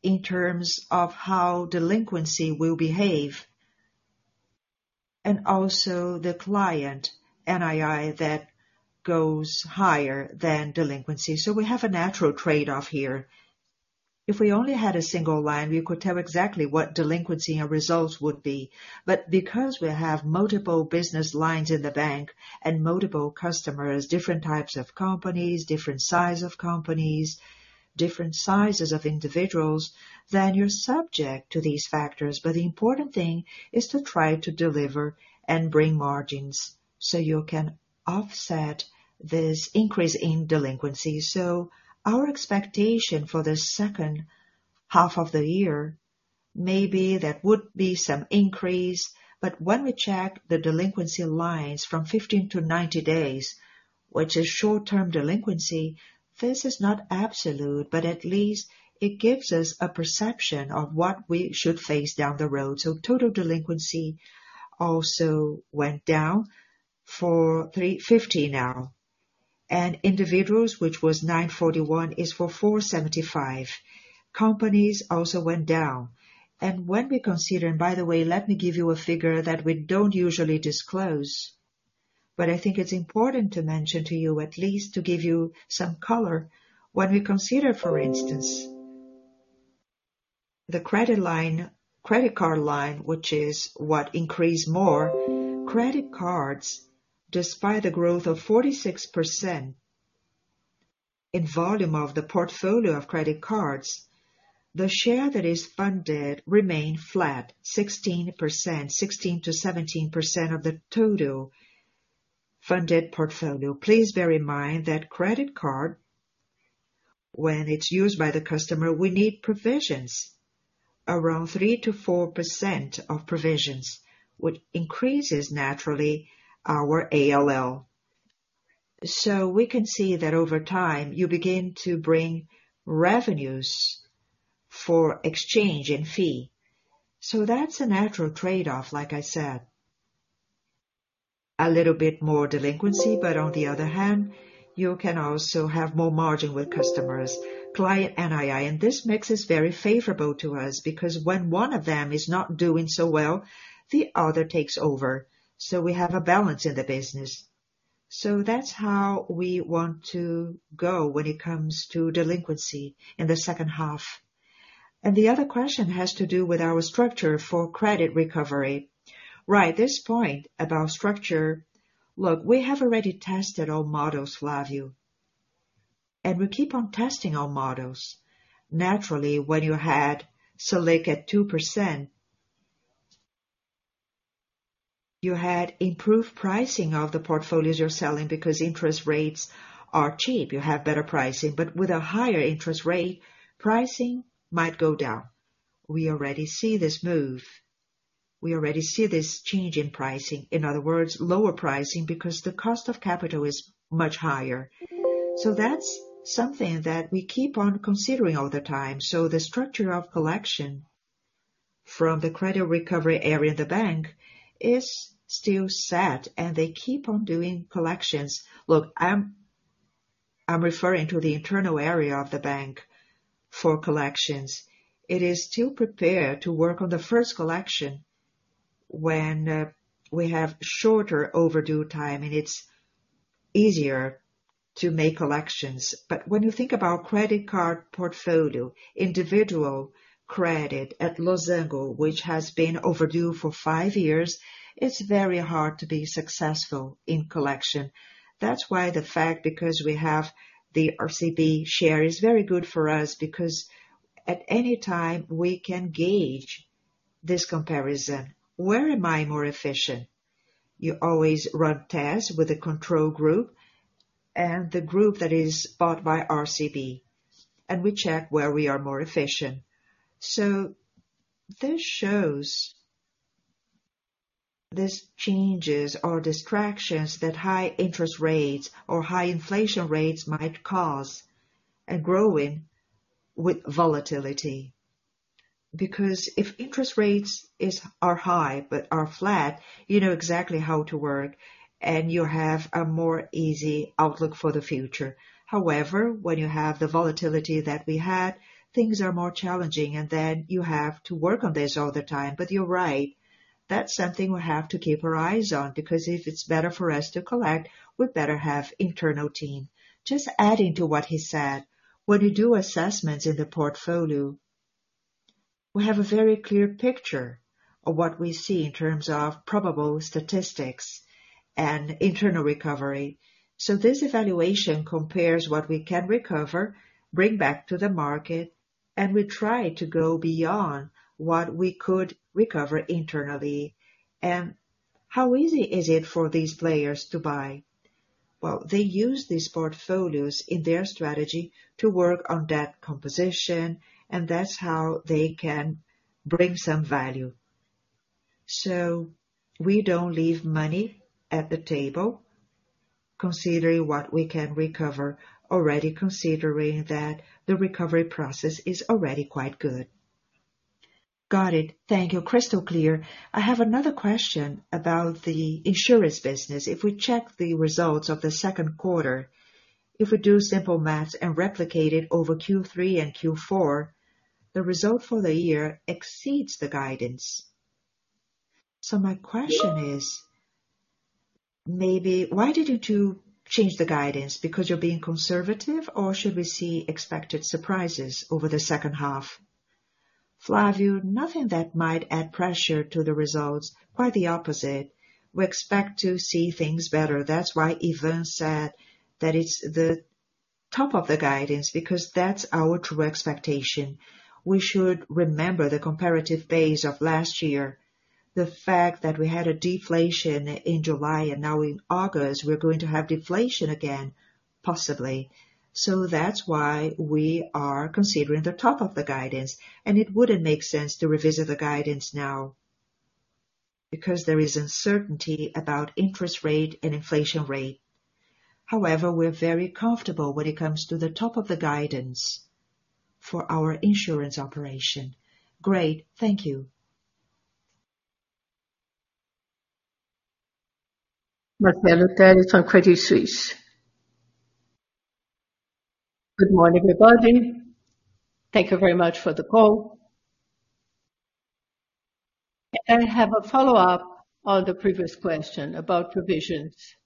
in terms of how delinquency will behave and also the client NII that goes higher than delinquency. We have a natural trade-off here. If we only had a single line, we could tell exactly what delinquency and results would be. Because we have multiple business lines in the bank and multiple customers, different types of companies, different size of companies, different sizes of individuals, then you're subject to these factors. The important thing is to try to deliver and bring margins so you can offset this increase in delinquency. Our expectation for the second half of the year, maybe there would be some increase, but when we check the delinquency lines from 15 to 90 days, which is short-term delinquency, this is not absolute, but at least it gives us a perception of what we should face down the road. Total delinquency also went down to 3.50% now. Individuals, which was 9.41%, is to 4.75%. Companies also went down. By the way, let me give you a figure that we don't usually disclose, but I think it's important to mention to you, at least to give you some color. When we consider, for instance, the credit line, credit card line, which is what increased more, credit cards, despite a growth of 46% in volume of the portfolio of credit cards, the share that is funded remained flat, 16%, 16%-17% of the total funded portfolio. Please bear in mind that credit card, when it's used by the customer, we need provisions, around 3%-4% of provisions, which increases naturally our ALL. We can see that over time, you begin to bring revenues for exchange and fee. That's a natural trade-off, like I said. A little bit more delinquency, but on the other hand, you can also have more margin with customers, client NII. This mix is very favorable to us because when one of them is not doing so well, the other takes over. We have a balance in the business. That's how we want to go when it comes to delinquency in the second half. The other question has to do with our structure for credit recovery. Right. This point about structure, look, we have already tested all models, Flavio, and we keep on testing all models. Naturally, when you had Selic at 2%, you had improved pricing of the portfolios you're selling because interest rates are cheap, you have better pricing. But with a higher interest rate, pricing might go down. We already see this move. We already see this change in pricing. In other words, lower pricing, because the cost of capital is much higher. That's something that we keep on considering all the time. The structure of collection from the credit recovery area of the bank is still set, and they keep on doing collections. Look, I'm referring to the internal area of the bank for collections. It is still prepared to work on the first collection when we have shorter overdue time and it's easier to make collections. But when you think about credit card portfolio, individual credit at Losango, which has been overdue for five years, it's very hard to be successful in collection. That's why the fact because we have the RCB share is very good for us, because at any time we can gauge this comparison. Where am I more efficient? You always run tests with a control group and the group that is bought by RCB, and we check where we are more efficient. This shows these changes or distractions that high interest rates or high inflation rates might cause and growing with volatility. If interest rates are high but are flat, you know exactly how to work and you have a more easy outlook for the future. However, when you have the volatility that we had, things are more challenging, and then you have to work on this all the time. You're right, that's something we have to keep our eyes on, because if it's better for us to collect, we better have internal team. Just adding to what he said. When we do assessments in the portfolio, we have a very clear picture of what we see in terms of probable statistics and internal recovery. This evaluation compares what we can recover, bring back to the market, and we try to go beyond what we could recover internally. How easy is it for these players to buy? Well, they use these portfolios in their strategy to work on debt composition, and that's how they can bring some value. We don't leave money at the table considering what we can recover already, considering that the recovery process is already quite good. Got it. Thank you. Crystal clear. I have another question about the insurance business. If we check the results of the second quarter, if we do simple math and replicate it over Q3 and Q4, the result for the year exceeds the guidance. My question is, maybe why did you two change the guidance? Because you're being conservative or should we see expected surprises over the second half? Flavio, nothing that might add pressure to the results, quite the opposite. We expect to see things better. That's why Ivan said that it's the top of the guidance, because that's our true expectation. We should remember the comparative base of last year. The fact that we had a deflation in July and now in August we're going to have deflation again, possibly. That's why we are considering the top of the guidance. It wouldn't make sense to revisit the guidance now because there is uncertainty about interest rate and inflation rate. However, we're very comfortable when it comes to the top of the guidance for our insurance operation. Great. Thank you. Marcelo Telles from Credit Suisse. Good morning, everybody. Thank you very much for the call. I have a follow-up on the previous question about provisions.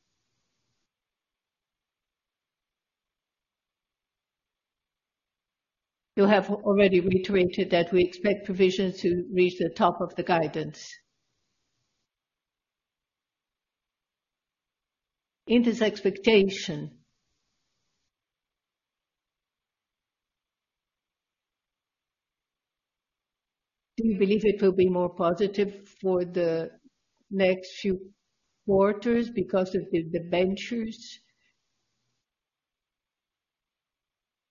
You have already reiterated that we expect provisions to reach the top of the guidance. In this expectation, do you believe it will be more positive for the next few quarters because of the debentures?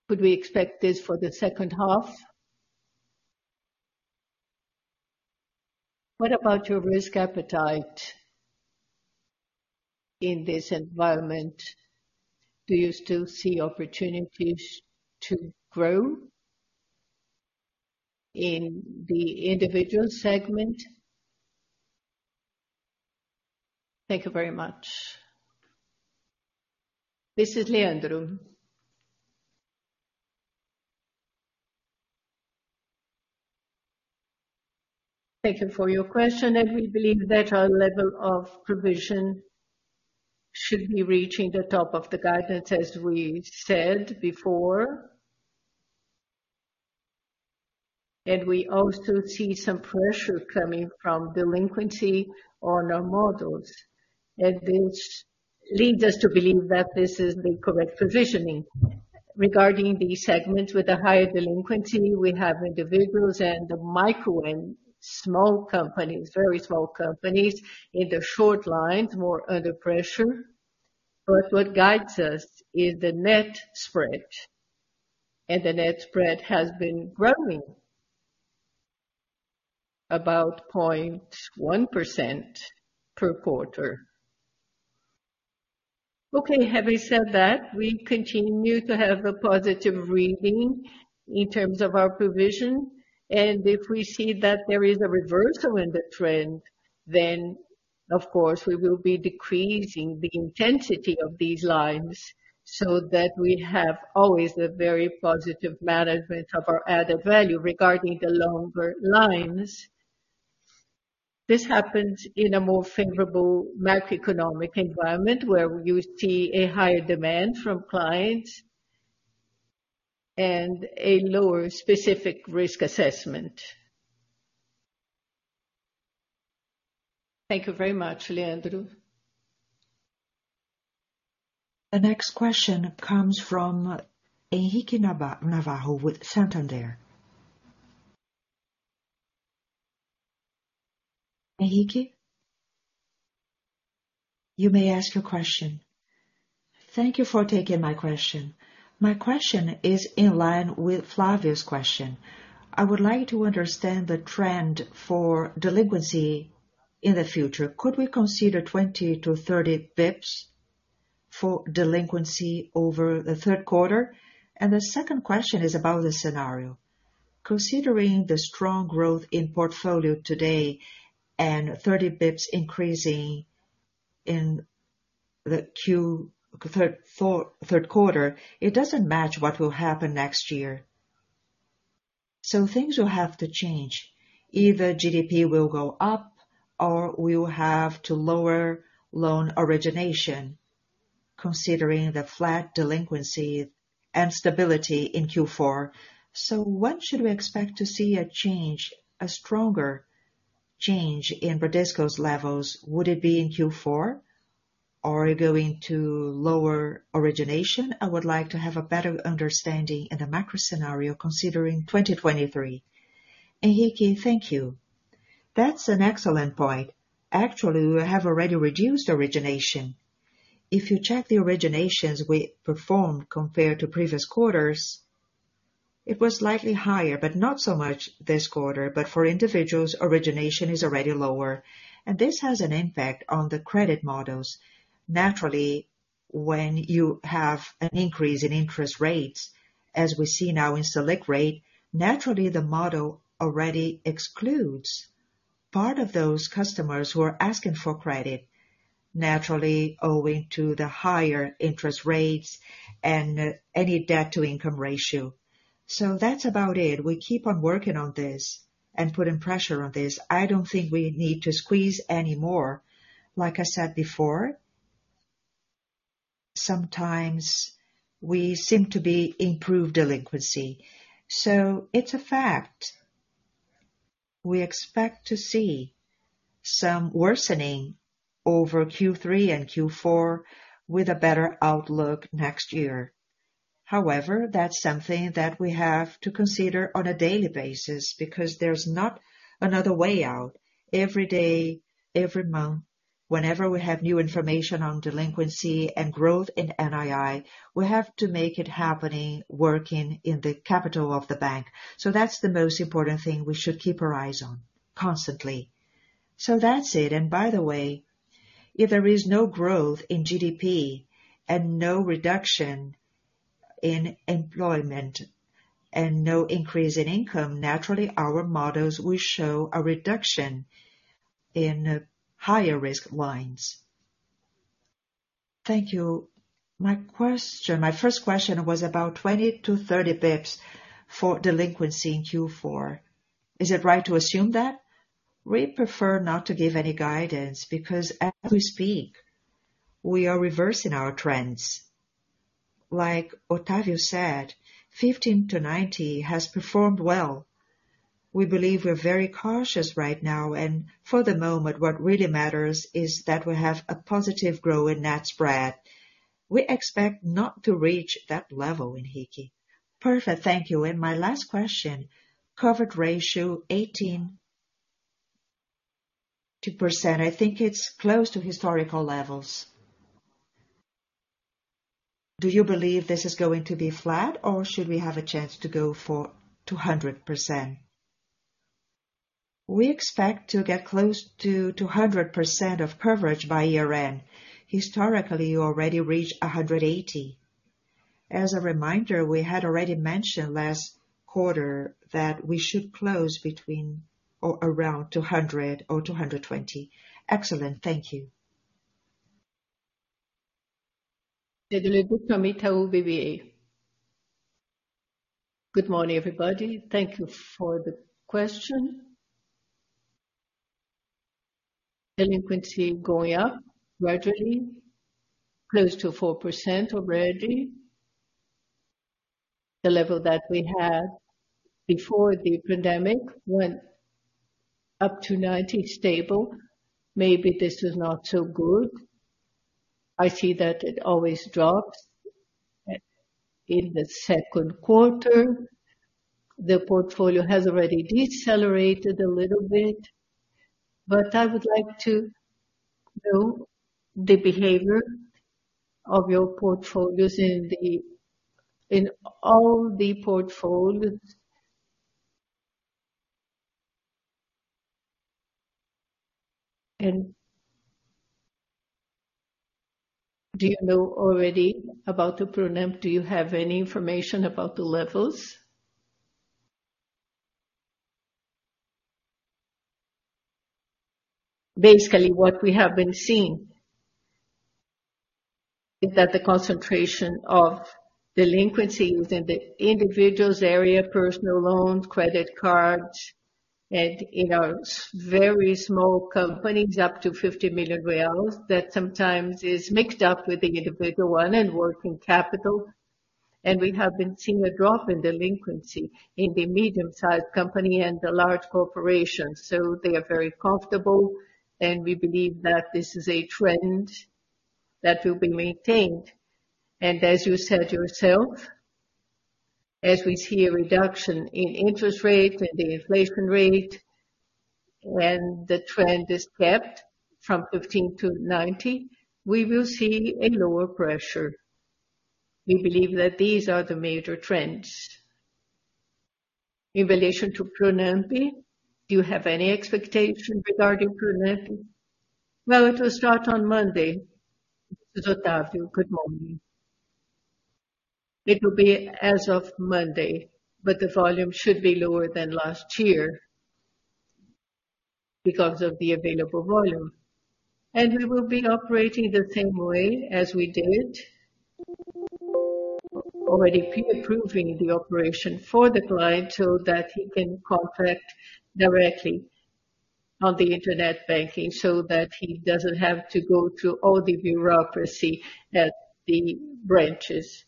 Could we expect this for the second half? What about your risk appetite in this environment? Do you still see opportunities to grow in the individual segment? Thank you very much. This is Leandro. Thank you for your question. We believe that our level of provision should be reaching the top of the guidance, as we said before. We also see some pressure coming from delinquency on our models. This leads us to believe that this is the correct provisioning. Regarding the segments with a higher delinquency, we have individuals and the micro and small companies, very small companies in the short lines, more under pressure. What guides us is the net spread, and the net spread has been growing about 0.1% per quarter. Okay, having said that, we continue to have a positive reading in terms of our provision, and if we see that there is a reversal in the trend, then of course, we will be decreasing the intensity of these lines so that we have always a very positive management of our added value. Regarding the longer lines, this happens in a more favorable macroeconomic environment, where you see a higher demand from clients and a lower specific risk assessment. Thank you very much, Leandro. The next question comes from Henrique Navarro with Santander. Henrique, you may ask your question. Thank you for taking my question. My question is in line with Flavio's question. I would like to understand the trend for delinquency in the future. Could we consider 20-30 bps for delinquency over the third quarter? And the second question is about the scenario. Considering the strong growth in portfolio today and 30 bps increase in the third quarter, it doesn't match what will happen next year. Things will have to change. Either GDP will go up or we will have to lower loan origination considering the flat delinquency and stability in Q4. When should we expect to see a change, a stronger change in Bradesco's levels? Would it be in Q4 or are you going to lower origination? I would like to have a better understanding in the macro scenario considering 2023. Henrique, thank you. That's an excellent point. Actually, we have already reduced origination. If you check the originations we performed compared to previous quarters, it was slightly higher, but not so much this quarter. But for individuals, origination is already lower, and this has an impact on the credit models. Naturally, when you have an increase in interest rates, as we see now in Selic rate, naturally the model already excludes part of those customers who are asking for credit, naturally owing to the higher interest rates and any debt-to-income ratio. That's about it. We keep on working on this and putting pressure on this. I don't think we need to squeeze any more. Like I said before, sometimes we seem to be improving delinquency. It's a fact. We expect to see some worsening over Q3 and Q4 with a better outlook next year. However, that's something that we have to consider on a daily basis because there's not another way out. Every day, every month, whenever we have new information on delinquency and growth in NII, we have to make it happen, working on the capital of the bank. That's the most important thing we should keep our eyes on constantly. That's it. By the way, if there is no growth in GDP and no reduction in employment and no increase in income, naturally our models will show a reduction in higher risk lines. Thank you. My question, my first question was about 20-30 basis points for delinquency in Q4. Is it right to assume that? We prefer not to give any guidance because as we speak, we are reversing our trends. Like Octavio said, 15-90 has performed well. We believe we're very cautious right now. For the moment, what really matters is that we have a positive growth in net spread. We expect not to reach that level, Henrique. Perfect. Thank you. My last question, covered ratio 180%. I think it's close to historical levels. Do you believe this is going to be flat or should we have a chance to go for 200%? We expect to get close to 200% of coverage by year-end. Historically, you already reached 180. As a reminder, we had already mentioned last quarter that we should close between or around 200 or 220. Excellent. Thank you. Good morning, everybody. Thank you for the question. Delinquency going up gradually, close to 4% already. The level that we had before the pandemic went up to 90 stable. Maybe this is not so good. I see that it always drops in the second quarter. The portfolio has already decelerated a little bit, but I would like to know the behavior of your portfolios in all the portfolios. Do you know already about the Pronampe? Do you have any information about the levels? Basically what we have been seeing is that the concentration of delinquencies in the individuals area, personal loans, credit cards, and in our very small companies up to 50 million reais, that sometimes is mixed up with the individual one and working capital. We have been seeing a drop in delinquency in the medium-sized company and the large corporations. They are very comfortable, and we believe that this is a trend that will be maintained. As you said yourself, as we see a reduction in interest rate and the inflation rate, when the trend is kept from 15-90, we will see a lower pressure. We believe that these are the major trends. In relation to Pronampe, do you have any expectations regarding Pronampe? Well, it will start on Monday. This is Octavio. Good morning. It will be as of Monday, but the volume should be lower than last year because of the available volume. We will be operating the same way as we did already pre-approving the operation for the client, so that he can contract directly on the internet banking, so that he doesn't have to go through all the bureaucracy at the branches.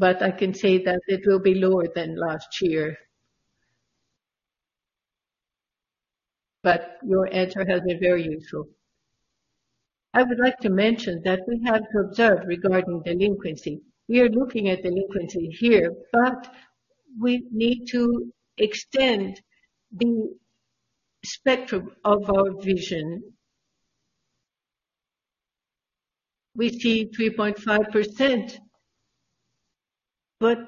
I can say that it will be lower than last year. Your answer has been very useful. I would like to mention that we have observed regarding delinquency. We are looking at delinquency here, but we need to extend the spectrum of our vision. We see 3.5%, but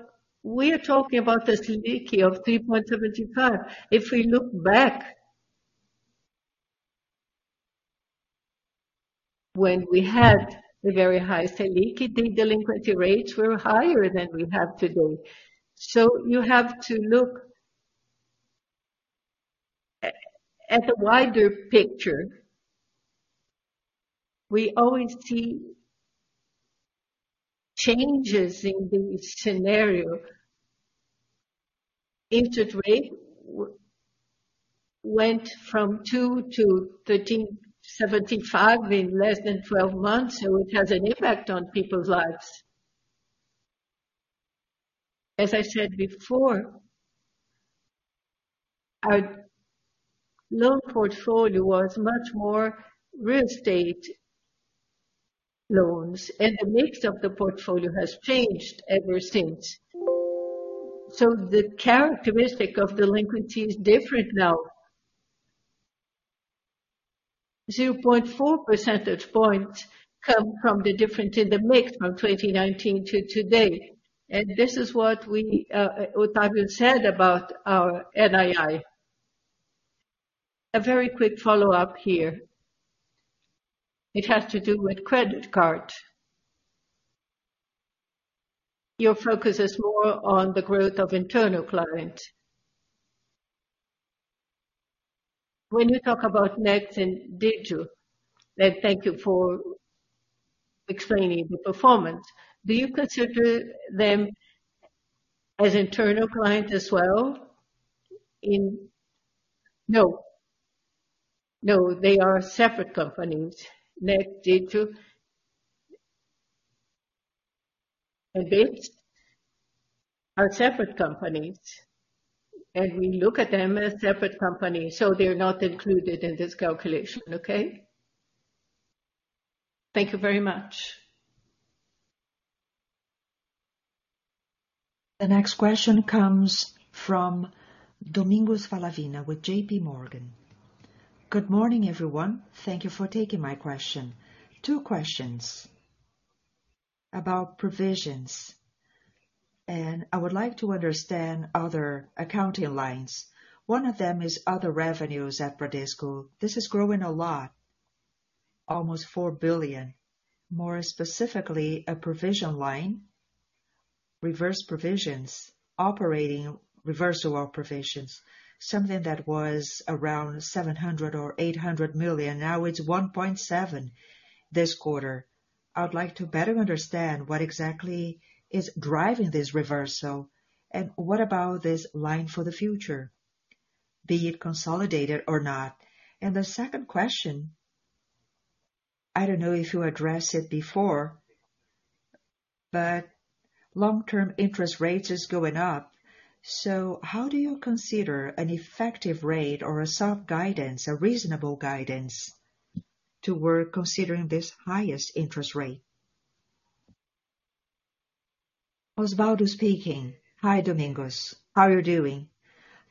we are talking about the Selic of 3.75%. If we look back when we had the very high Selic, the delinquency rates were higher than we have today. You have to look at the wider picture. We always see changes in the scenario. Interest rate went from 2% to 13.75% in less than 12 months. It has an impact on people's lives. As I said before, our loan portfolio was much more real estate loans, and the mix of the portfolio has changed ever since. The characteristic of delinquency is different now. 0.4 percentage points come from the difference in the mix from 2019 to today. This is what we, Octavio said about our NII. A very quick follow-up here. It has to do with credit card. Your focus is more on the growth of internal client. When you talk about Next and Digio, and thank you for explaining the performance, do you consider them as internal client as well? No. No, they are separate companies. Next, Digio, and Next are separate companies, and we look at them as separate companies. They're not included in this calculation. Okay? Thank you very much. The next question comes from Domingos Falavina with J.P. Morgan. Good morning, everyone. Thank you for taking my question. Two questions about provisions, and I would like to understand other accounting lines. One of them is other revenues at Bradesco. This is growing a lot, almost 4 billion. More specifically, a provision line, reverse provisions, operating reversal of provisions, something that was around 700 million or 800 million, now it's 1.7 billion this quarter. I would like to better understand what exactly is driving this reversal and what about this line for the future, be it consolidated or not. The second question, I don't know if you addressed it before, but long-term interest rates is going up. So how do you consider an effective rate or a soft guidance, a reasonable guidance toward considering this highest interest rate? Oswaldo speaking. Hi, Domingos. How are you doing?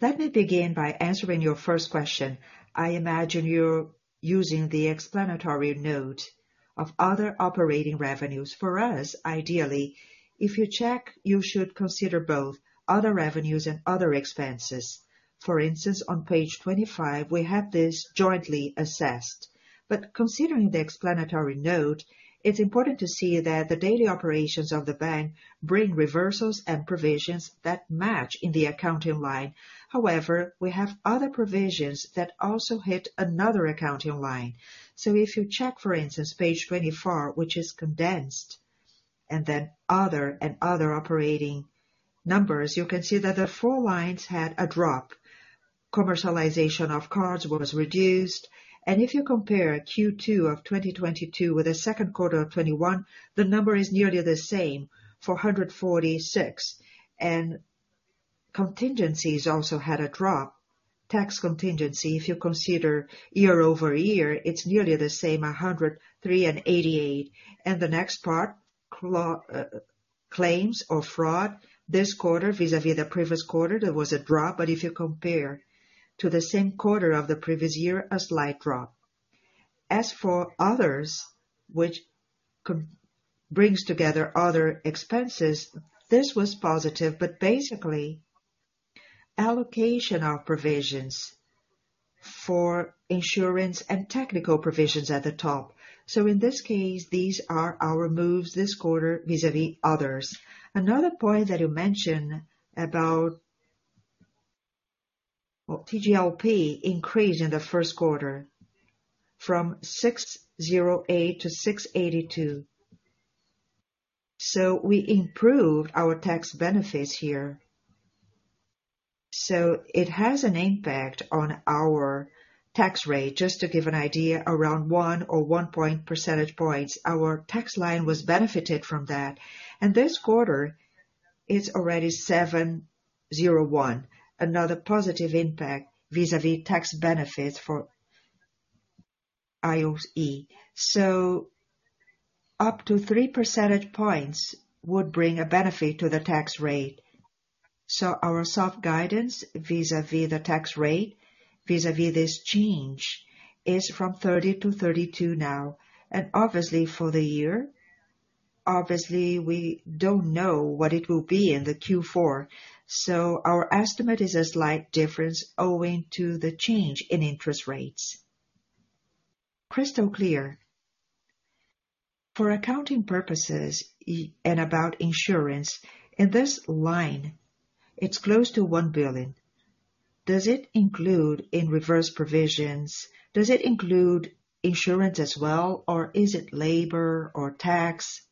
Let me begin by answering your first question. I imagine you're using the explanatory note of other operating revenues. For us, ideally, if you check, you should consider both other revenues and other expenses. For instance, on page 25, we have this jointly assessed. Considering the explanatory note, it's important to see that the daily operations of the bank bring reversals and provisions that match in the accounting line. However, we have other provisions that also hit another accounting line. If you check, for instance, page 24, which is condensed, and then other and other operating numbers, you can see that the four lines had a drop. Commercialization of cards was reduced. If you compare Q2 of 2022 with the second quarter of 2021, the number is nearly the same, 446. Contingencies also had a drop. Tax contingency, if you consider year-over-year, it's nearly the same, 103.88. The next part, claims or fraud, this quarter vis-à-vis the previous quarter, there was a drop. If you compare to the same quarter of the previous year, a slight drop. As for others, which brings together other expenses, this was positive, but basically allocation of provisions for insurance and technical provisions at the top. In this case, these are our moves this quarter vis-à-vis others. Another point that you mentioned about TJLP increase in the first quarter from 6.08% to 6.82%. We improved our tax benefits here. It has an impact on our tax rate, just to give an idea, around 1 or 1 point percentage points. Our tax line was benefited from that. This quarter it's already 7.01, another positive impact vis-à-vis tax benefits for IOE. Up to three percentage points would bring a benefit to the tax rate. Our soft guidance vis-à-vis the tax rate, vis-à-vis this change, is from 30%-32% now. Obviously, for the year, obviously, we don't know what it will be in the Q4. Our estimate is a slight difference owing to the change in interest rates. Crystal clear. For accounting purposes and about insurance, in this line, it's close to 1 billion. Does it include in reverse provisions? Does it include insurance as well, or is it labor or tax?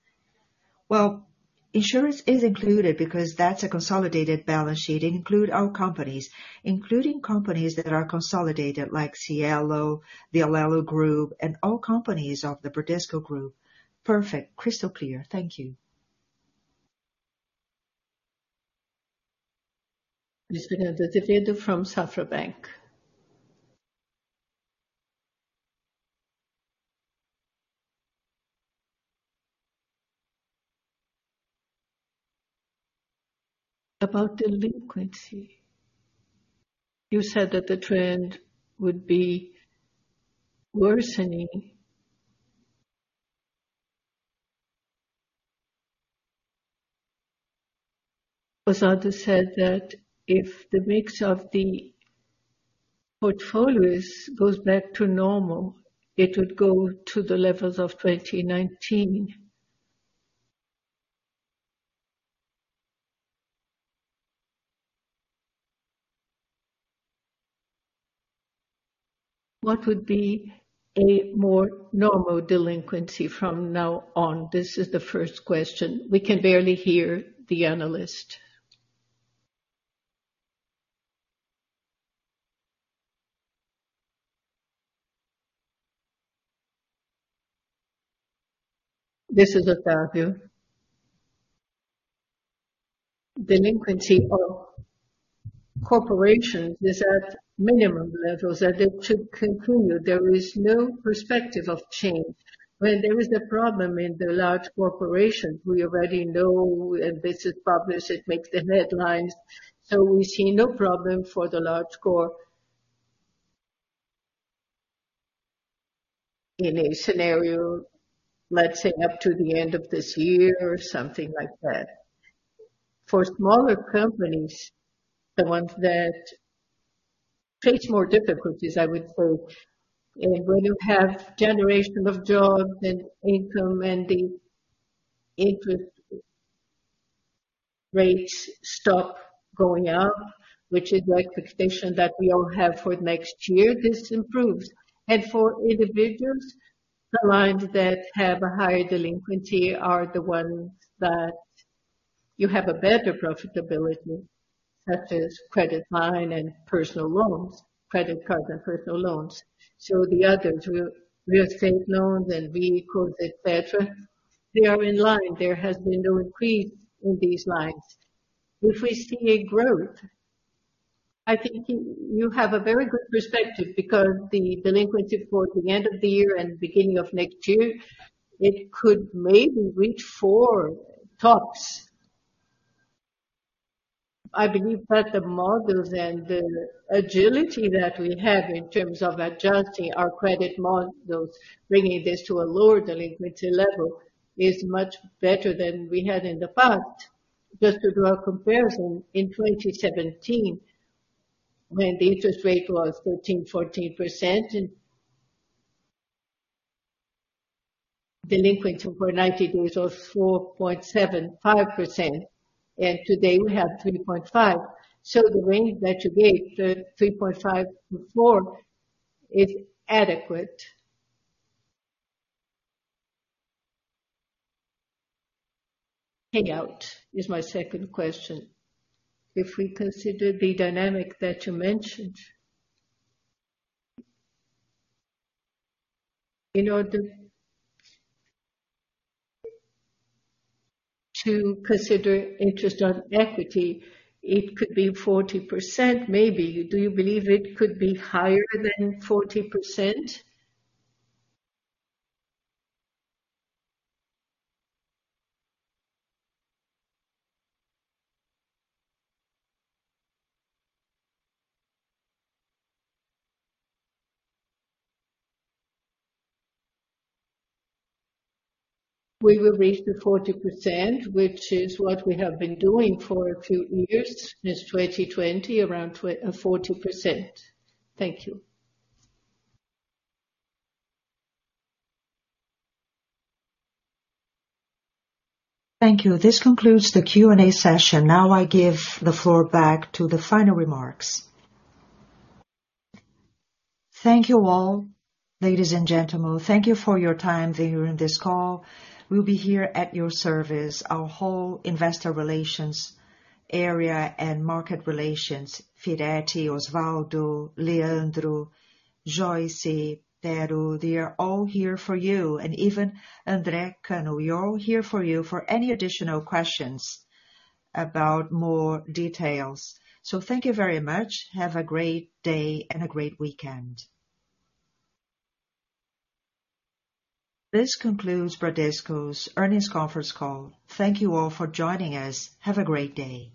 Well, insurance is included because that's a consolidated balance sheet. It include our companies, including companies that are consolidated, like Cielo, the Alelo Group, and all companies of the Bradesco Group. Perfect. Crystal clear. Thank you. Luciana Devito from Safra Bank. About delinquency, you said that the trend would be worsening. Oswaldo said that if the mix of the portfolios goes back to normal, it would go to the levels of 2019. What would be a more normal delinquency from now on? This is the first question. We can barely hear the analyst. This is Octavio. Delinquency of corporations is at minimum levels, and it should continue. There is no perspective of change. When there is a problem in the large corporations, we already know, and this is published, it makes the headlines. We see no problem for the large corp in a scenario, let's say, up to the end of this year or something like that. For smaller companies, the ones that create more difficulties, I would say. When you have generation of jobs and income and the interest rates stop going up, which is the expectation that we all have for next year, this improves. For individuals, the lines that have a higher delinquency are the ones that you have a better profitability, such as credit line and personal loans, credit card and personal loans. The others like real estate loans and vehicles, et cetera, they are in line. There has been no increase in these lines. If we see a growth, I think you have a very good perspective because the delinquency for the end of the year and beginning of next year, it could maybe reach 4%, tops. I believe that the models and the agility that we have in terms of adjusting our credit models, bringing this to a lower delinquency level, is much better than we had in the past. Just to do a comparison, in 2017, when the interest rate was 13%-14% and delinquency for 90 days was 4.75%, and today we have 3.5%. The range that you gave, 3.5%-4% is adequate. Payout is my second question. If we consider the dynamic that you mentioned. In order to consider interest on equity, it could be 40% maybe. Do you believe it could be higher than 40%? We will reach the 40%, which is what we have been doing for a few years. Since 2020, around 40%. Thank you. Thank you. This concludes the Q&A session. Now I give the floor back to the final remarks. Thank you all. Ladies and gentlemen, thank you for your time here in this call. We'll be here at your service, our whole investor relations area and market relations, Firetti, Oswaldo, Leandro, Joyce, Poterio, they are all here for you. Even André Cano, we're all here for you for any additional questions about more details. Thank you very much. Have a great day and a great weekend. This concludes Bradesco's earnings conference call. Thank you all for joining us. Have a great day.